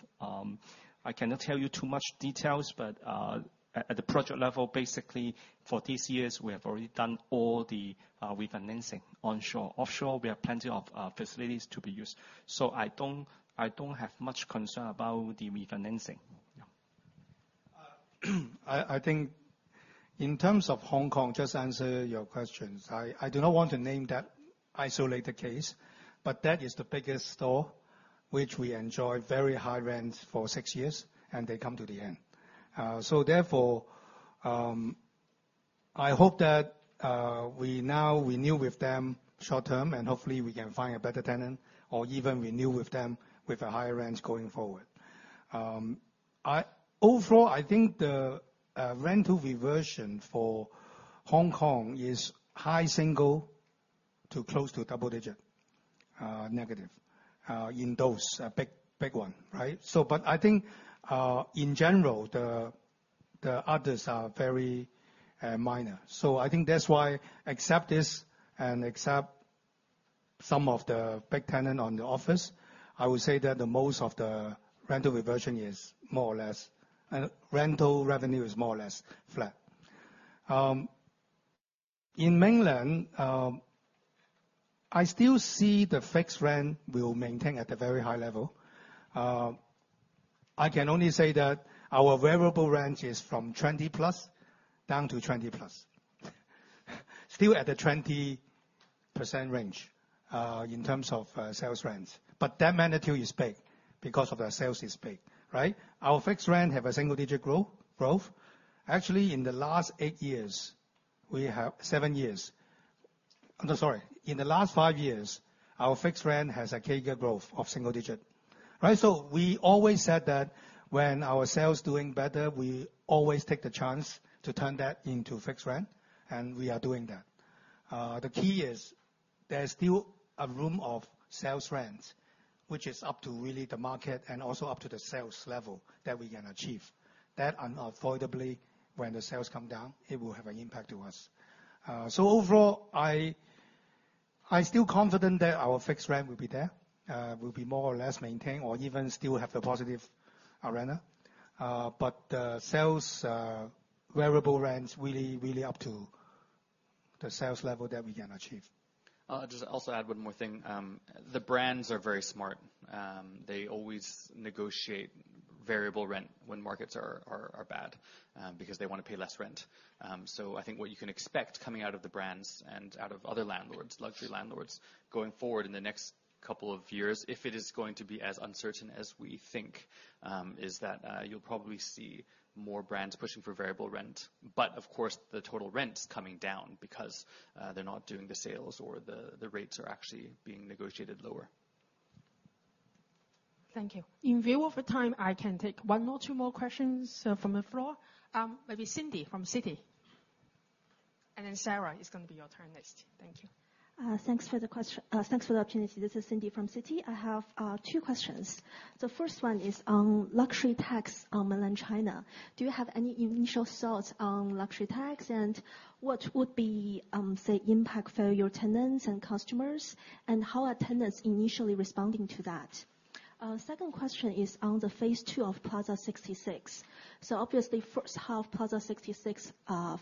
I cannot tell you too much details, but at the project level, basically for this years, we have already done all the refinancing onshore. Offshore, we have plenty of facilities to be used, so I don't have much concern about the refinancing. Yeah. I think in terms of Hong Kong, just answer your questions, I do not want to name that isolated case, but that is the biggest store which we enjoy very high rent for six years, and they come to the end. So therefore, I hope that we now renew with them short-term, and hopefully we can find a better tenant or even renew with them with a higher rent going forward. Overall, I think the rental reversion for Hong Kong is high single to close to double digit negative in those big one, right? But I think in general, the others are very minor. So I think that's why except this and except some of the big tenant on the office, I would say that the most of the rental reversion is more or less, rental revenue is more or less flat. In Mainland, I still see the fixed rent will maintain at a very high level. I can only say that our variable rent is from 20+ down to 20+. Still at the 20% range, in terms of sales rents, but that magnitude is big because of the sales is big, right? Our fixed rent have a single digit growth. Actually, in the last five years, our fixed rent has a CAGR growth of single digit, right? So we always said that when our sales doing better, we always take the chance to turn that into fixed rent, and we are doing that. The key is there's still a room of sales rents, which is up to really the market and also up to the sales level that we can achieve. That unavoidably, when the sales come down, it will have an impact to us. So overall, I still confident that our fixed rent will be there, will be more or less maintained or even still have the positive rental. But the sales variable rents really, really up to the sales level that we can achieve. Just also add one more thing. The brands are very smart. They always negotiate variable rent when markets are bad, because they want to pay less rent. So I think what you can expect coming out of the brands and out of other landlords, luxury landlords, going forward in the next couple of years, if it is going to be as uncertain as we think, is that, you'll probably see more brands pushing for variable rent. But of course, the total rent's coming down because, they're not doing the sales, or the rates are actually being negotiated lower. Thank you. In view of the time, I can take one more, two more questions, from the floor. Maybe Cindy from Citi, and then, Sarah, it's gonna be your turn next. Thank you. Thanks for the opportunity. This is Cindy from Citi. I have two questions. The first one is on luxury tax on Mainland China. Do you have any initial thoughts on luxury tax? And what would be the impact for your tenants and customers, and how are tenants initially responding to that? Second question is on the phase two of Plaza 66. So obviously, first half, Plaza 66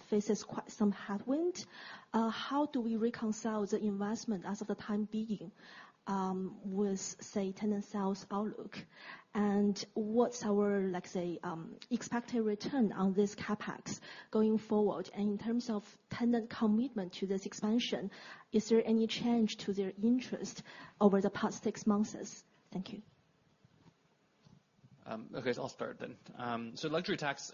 faces quite some headwind. How do we reconcile the investment as of the time being with, say, tenant sales outlook? And what's our, let's say, expected return on this CapEx going forward? And in terms of tenant commitment to this expansion, is there any change to their interest over the past six months? Thank you. Okay, so I'll start then. Luxury tax,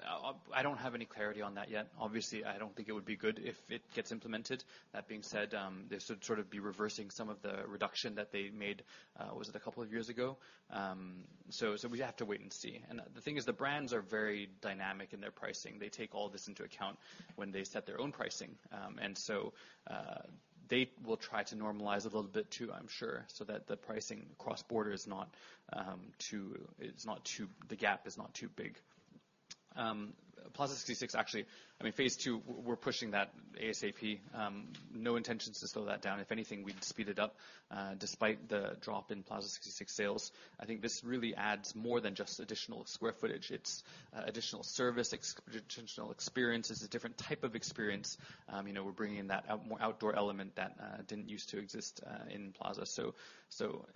I don't have any clarity on that yet. Obviously, I don't think it would be good if it gets implemented. That being said, this would sort of be reversing some of the reduction that they made, was it a couple of years ago? We have to wait and see. And the thing is, the brands are very dynamic in their pricing. They take all this into account when they set their own pricing. And so, they will try to normalize a little bit, too, I'm sure, so that the pricing cross-border is not too big. Plaza 66, actually, I mean, phase two, we're pushing that ASAP. No intentions to slow that down. If anything, we'd speed it up, despite the drop in Plaza 66 sales. I think this really adds more than just additional square footage. It's additional service, additional experience. It's a different type of experience. You know, we're bringing in that more outdoor element that didn't use to exist in Plaza.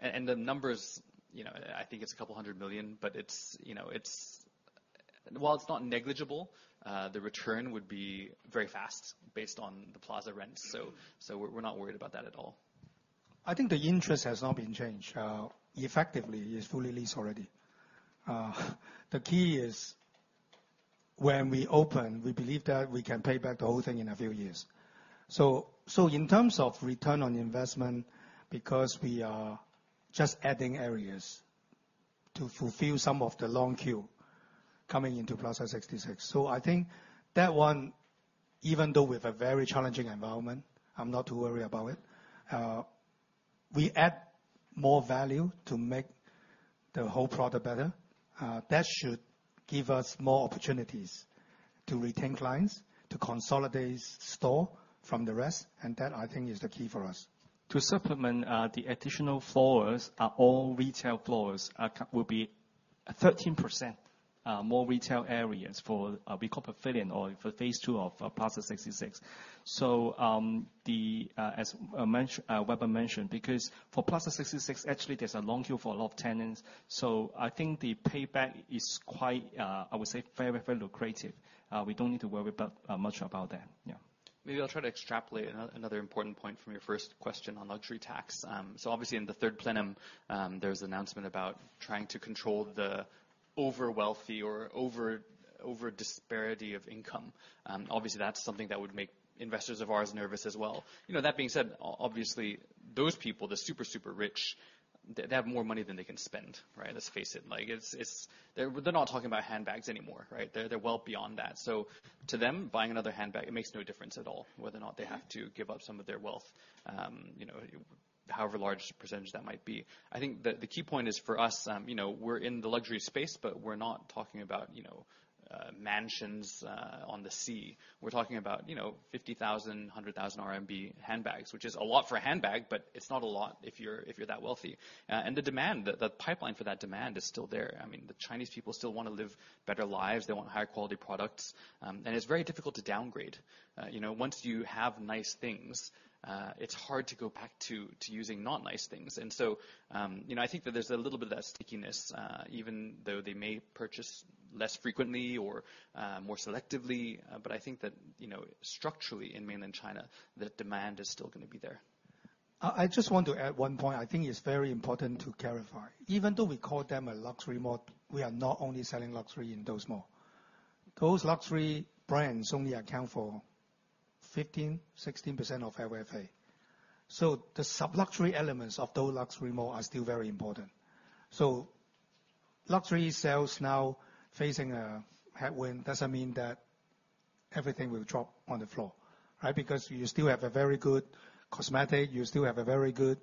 And the numbers, you know, I think it's 200 million, but it's, you know, it's while it's not negligible, the return would be very fast based on the Plaza rents. So, we're not worried about that at all.... I think the interest has not been changed. Effectively, it's fully leased already. The key is when we open, we believe that we can pay back the whole thing in a few years. So, so in terms of return on investment, because we are just adding areas to fulfill some of the long queue coming into Plaza 66. So I think that one, even though we have a very challenging environment, I'm not too worried about it. We add more value to make the whole product better. That should give us more opportunities to retain clients, to consolidate store from the rest, and that, I think, is the key for us. To supplement, the additional floors are all retail floors, will be 13% more retail areas for we call Pavilion or for phase II of Plaza 66. So, as Weber mentioned, because for Plaza 66, actually, there's a long queue for a lot of tenants. So I think the payback is quite, I would say, very, very lucrative. We don't need to worry about much about that. Yeah. Maybe I'll try to extrapolate another important point from your first question on luxury tax. So obviously in the Third Plenum, there was an announcement about trying to control the overly wealthy or over disparity of income. Obviously, that's something that would make investors of ours nervous as well. You know, that being said, obviously, those people, the super, super rich, they, they have more money than they can spend, right? Let's face it, like, it's, it's... They're, they're not talking about handbags anymore, right? They're, they're well beyond that. So to them, buying another handbag, it makes no difference at all whether or not they have to give up some of their wealth, you know, however large percentage that might be. I think the key point is, for us, you know, we're in the luxury space, but we're not talking about, you know, mansions on the sea. We're talking about, you know, 50,000, 100,000 RMB handbags, which is a lot for a handbag, but it's not a lot if you're, if you're that wealthy. And the demand, the pipeline for that demand is still there. I mean, the Chinese people still wanna live better lives. They want higher quality products. And it's very difficult to downgrade. You know, once you have nice things, it's hard to go back to, to using not nice things. You know, I think that there's a little bit of that stickiness, even though they may purchase less frequently or more selectively, but I think that, you know, structurally in mainland China, the demand is still gonna be there. I just want to add one point. I think it's very important to clarify. Even though we call them a luxury mall, we are not only selling luxury in those mall. Those luxury brands only account for 15%-16% of GFA. So the sub-luxury elements of those luxury mall are still very important. So luxury sales now facing a headwind doesn't mean that everything will drop on the floor, right? Because you still have a very good cosmetic, you still have a very good,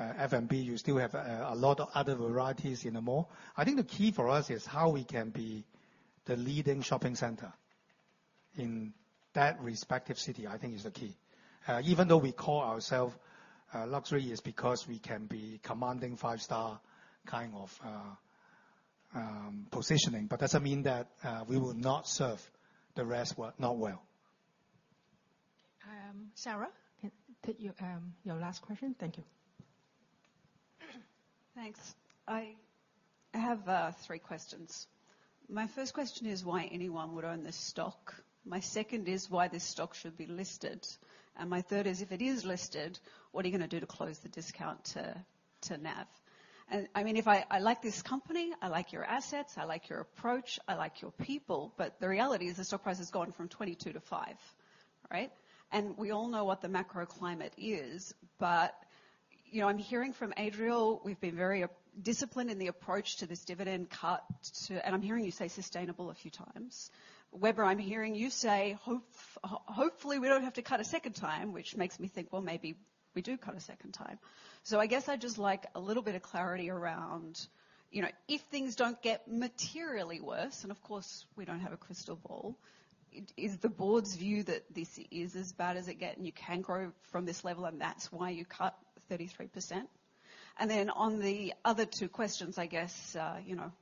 F&B, you still have, a lot of other varieties in the mall. I think the key for us is how we can be the leading shopping center in that respective city, I think is the key. Even though we call ourselves luxury, is because we can be commanding five-star kind of positioning, but doesn't mean that we will not serve the rest well, not well. Sarah, your last question. Thank you. Thanks. I have three questions. My first question is why anyone would own this stock? My second is why this stock should be listed. And my third is, if it is listed, what are you gonna do to close the discount to NAV? And, I mean, if I like this company, I like your assets, I like your approach, I like your people, but the reality is, the stock price has gone from 22 to 5, right? And we all know what the macro climate is. But, you know, I'm hearing from Adriel, we've been very disciplined in the approach to this dividend cut to-- and I'm hearing you say sustainable a few times. Weber, I'm hearing you say, hopefully, we don't have to cut a second time, which makes me think, well, maybe we do cut a second time. So I guess I'd just like a little bit of clarity around, you know, if things don't get materially worse, and of course, we don't have a crystal ball, is the board's view that this is as bad as it gets, and you can grow from this level, and that's why you cut 33%? And then, on the other two questions, I guess, you know,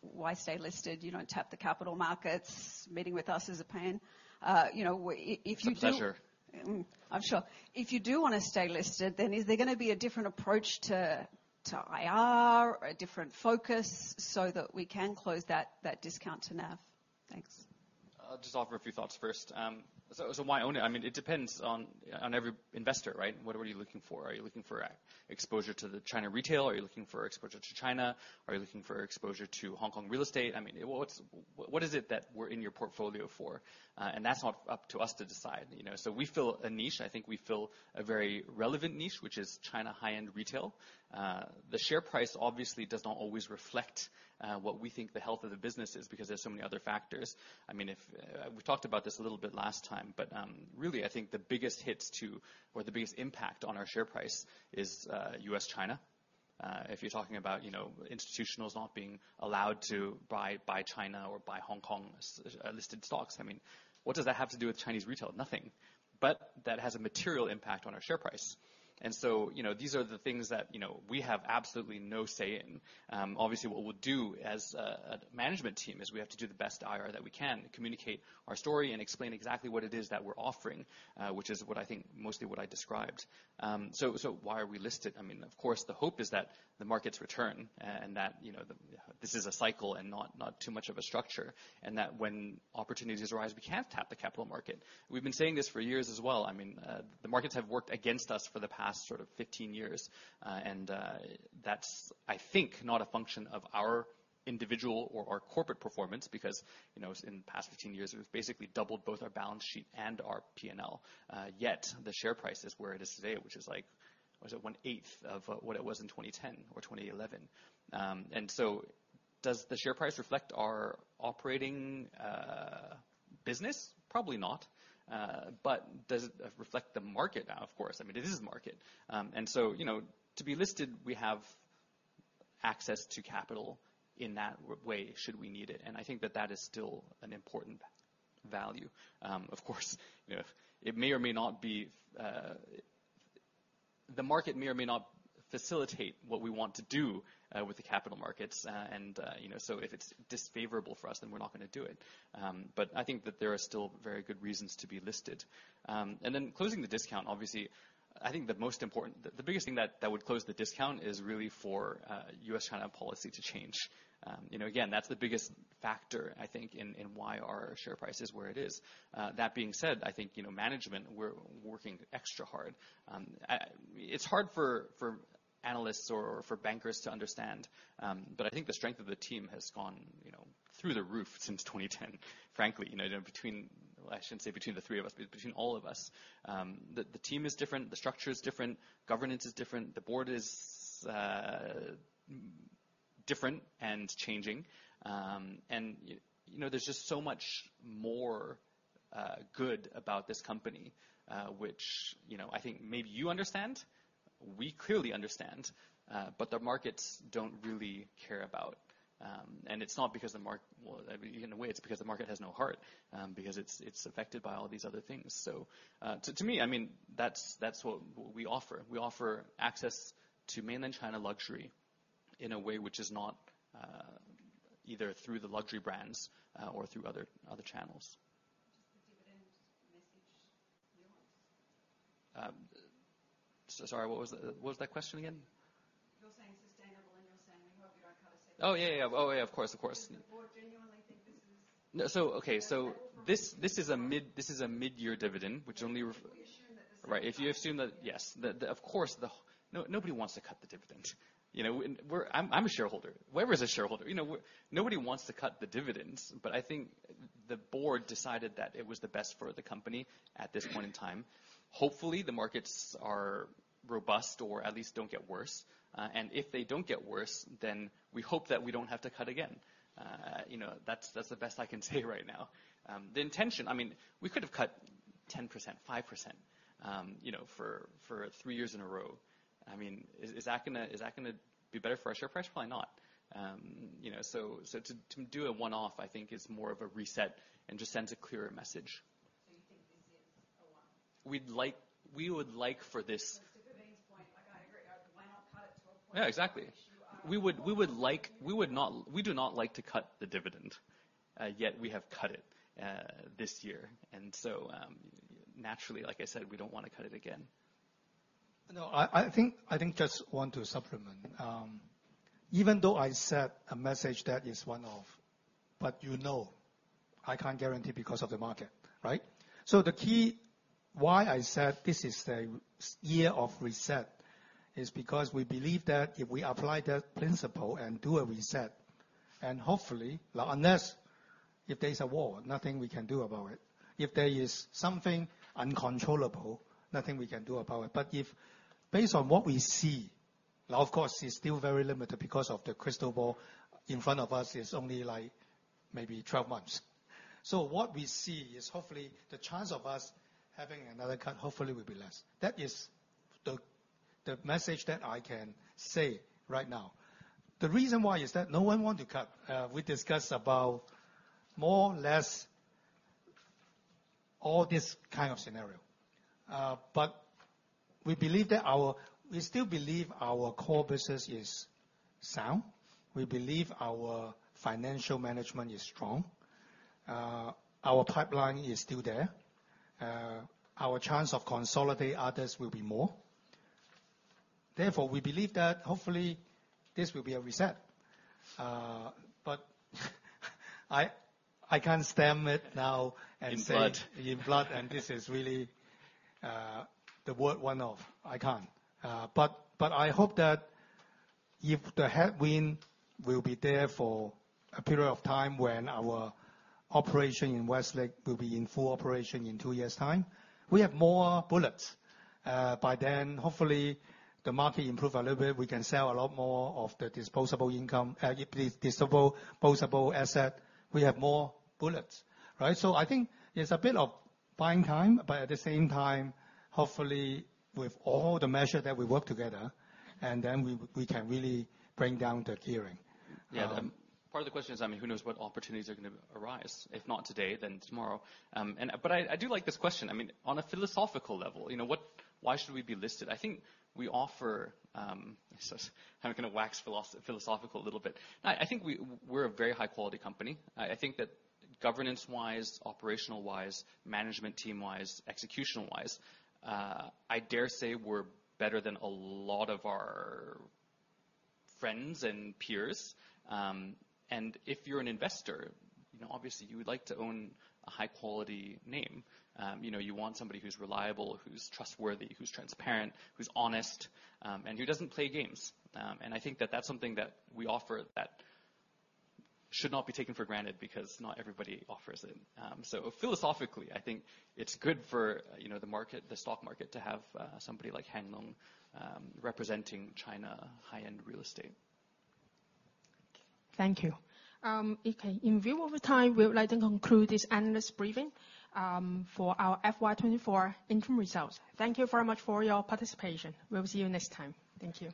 why stay listed? You don't tap the capital markets. Meeting with us is a pain. You know, if you do- It's a pleasure. Mm, I'm sure. If you do wanna stay listed, then is there gonna be a different approach to IR or a different focus so that we can close that discount to NAV? Thanks. I'll just offer a few thoughts first. So why own it? I mean, it depends on every investor, right? What are you looking for? Are you looking for exposure to the China retail? Are you looking for exposure to China? Are you looking for exposure to Hong Kong real estate? I mean, what is it that we're in your portfolio for? And that's not up to us to decide, you know. So we fill a niche. I think we fill a very relevant niche, which is China high-end retail. The share price obviously does not always reflect what we think the health of the business is, because there's so many other factors. I mean, if... We talked about this a little bit last time, but really, I think the biggest hits to or the biggest impact on our share price is U.S., China. If you're talking about, you know, institutionals not being allowed to buy, buy China or buy Hong Kong listed stocks, I mean, what does that have to do with Chinese retail? Nothing. But that has a material impact on our share price. And so, you know, these are the things that, you know, we have absolutely no say in. Obviously, what we'll do as a management team is we have to do the best IR that we can to communicate our story and explain exactly what it is that we're offering, which is what I think mostly what I described. So why are we listed? Of course, the hope is that the markets return, and that, you know, the, this is a cycle and not, not too much of a structure, and that when opportunities arise, we can tap the capital market. We've been saying this for years as well. I mean, the markets have worked against us for the past sort of 15 years. And, that's, I think, not a function of our individual or our corporate performance, because, you know, in the past 15 years, we've basically doubled both our balance sheet and our P&L, yet the share price is where it is today, which is like, what is it? One-eighth of what it was in 2010 or 2011. And so does the share price reflect our operating, business? Probably not. But does it reflect the market? Now, of course. I mean, it is the market. And so, you know, to be listed, we have access to capital in that way, should we need it, and I think that that is still an important value. Of course, you know, it may or may not be. The market may or may not facilitate what we want to do with the capital markets. And, you know, so if it's disfavorable for us, then we're not gonna do it. But I think that there are still very good reasons to be listed. And then closing the discount, obviously, I think the most important—the biggest thing that would close the discount is really for U.S.-China policy to change. You know, again, that's the biggest factor, I think, in why our share price is where it is. That being said, I think, you know, management, we're working extra hard. It's hard for analysts or bankers to understand, but I think the strength of the team has gone, you know, through the roof since 2010, frankly. You know, between... I shouldn't say between the three of us, but between all of us. The team is different, the structure is different, governance is different, the board is different and changing. And you know, there's just so much more good about this company, which, you know, I think maybe you understand, we clearly understand, but the markets don't really care about. And it's not because the mark-- Well, in a way, it's because the market has no heart, because it's affected by all these other things. So, to me, I mean, that's what we offer. We offer access to mainland China luxury in a way which is not either through the luxury brands or through other channels. Just the dividend message yours? Sorry, what was that question again? You're saying sustainable, and you're saying we hope we don't have to cut the- Oh, yeah, yeah. Oh, yeah, of course, of course. Do the board genuinely think this is- No. So, okay, this is a mid-year dividend, which only ref- If you assume that Right. If you assume that... Yes, of course, the... Nobody wants to cut the dividend. You know, and we're-- I'm a shareholder. Whoever is a shareholder, you know, nobody wants to cut the dividends, but I think the board decided that it was the best for the company at this point in time. Hopefully, the markets are robust or at least don't get worse. And if they don't get worse, then we hope that we don't have to cut again. You know, that's the best I can say right now. The intention-- I mean, we could have cut 10%, 5%, you know, for three years in a row. I mean, is that gonna be better for our share price? Probably not. You know, so to do a one-off, I think is more of a reset and just sends a clearer message. So you think this is a one-off? We would like for this. To Divi's point, like, I agree. Why not cut it to a point- Yeah, exactly. Issue out- We do not like to cut the dividend this year, and so, naturally, like I said, we don't wanna cut it again. No, I think I just want to supplement. Even though I set a message that is one-off, but you know, I can't guarantee because of the market, right? So the key why I said this is the year of reset is because we believe that if we apply that principle and do a reset, and hopefully, unless if there's a war, nothing we can do about it. If there is something uncontrollable, nothing we can do about it. But if based on what we see, now, of course, it's still very limited because of the crystal ball in front of us is only, like, maybe 12 months. So what we see is, hopefully, the chance of us having another cut, hopefully, will be less. That is the message that I can say right now. The reason why is that no one want to cut. We discussed about more or less all this kind of scenario. But we believe that we still believe our core business is sound. We believe our financial management is strong. Our pipeline is still there. Our chance of consolidate others will be more. Therefore, we believe that hopefully this will be a reset. But I, I can't stamp it now and say- In blood. In blood, and this is really the word one-off. I can't. But, but I hope that if the headwind will be there for a period of time, when our operation in Westlake will be in full operation in two years' time, we have more bullets. By then, hopefully, the market improve a little bit, we can sell a lot more of the disposable income, disposable asset, we have more bullets, right? So I think it's a bit of buying time, but at the same time, hopefully, with all the measure that we work together, and then we, we can really bring down the gearing. Yeah. Part of the question is, I mean, who knows what opportunities are gonna arise, if not today, then tomorrow. But I do like this question. I mean, on a philosophical level, you know, what, why should we be listed? I think we offer, I'm gonna wax philosophical a little bit. I think we're a very high-quality company. I think that governance-wise, operational-wise, management team-wise, executional-wise, I dare say we're better than a lot of our friends and peers. And if you're an investor, you know, obviously, you would like to own a high-quality name. You know, you want somebody who's reliable, who's trustworthy, who's transparent, who's honest, and who doesn't play games. And I think that that's something that we offer that should not be taken for granted because not everybody offers it. So, philosophically, I think it's good for, you know, the market, the stock market, to have somebody like Hang Lung representing China high-end real estate. Thank you. Okay, in view of the time, we would like to conclude this analyst briefing for our FY 2024 interim results. Thank you very much for your participation. We'll see you next time. Thank you.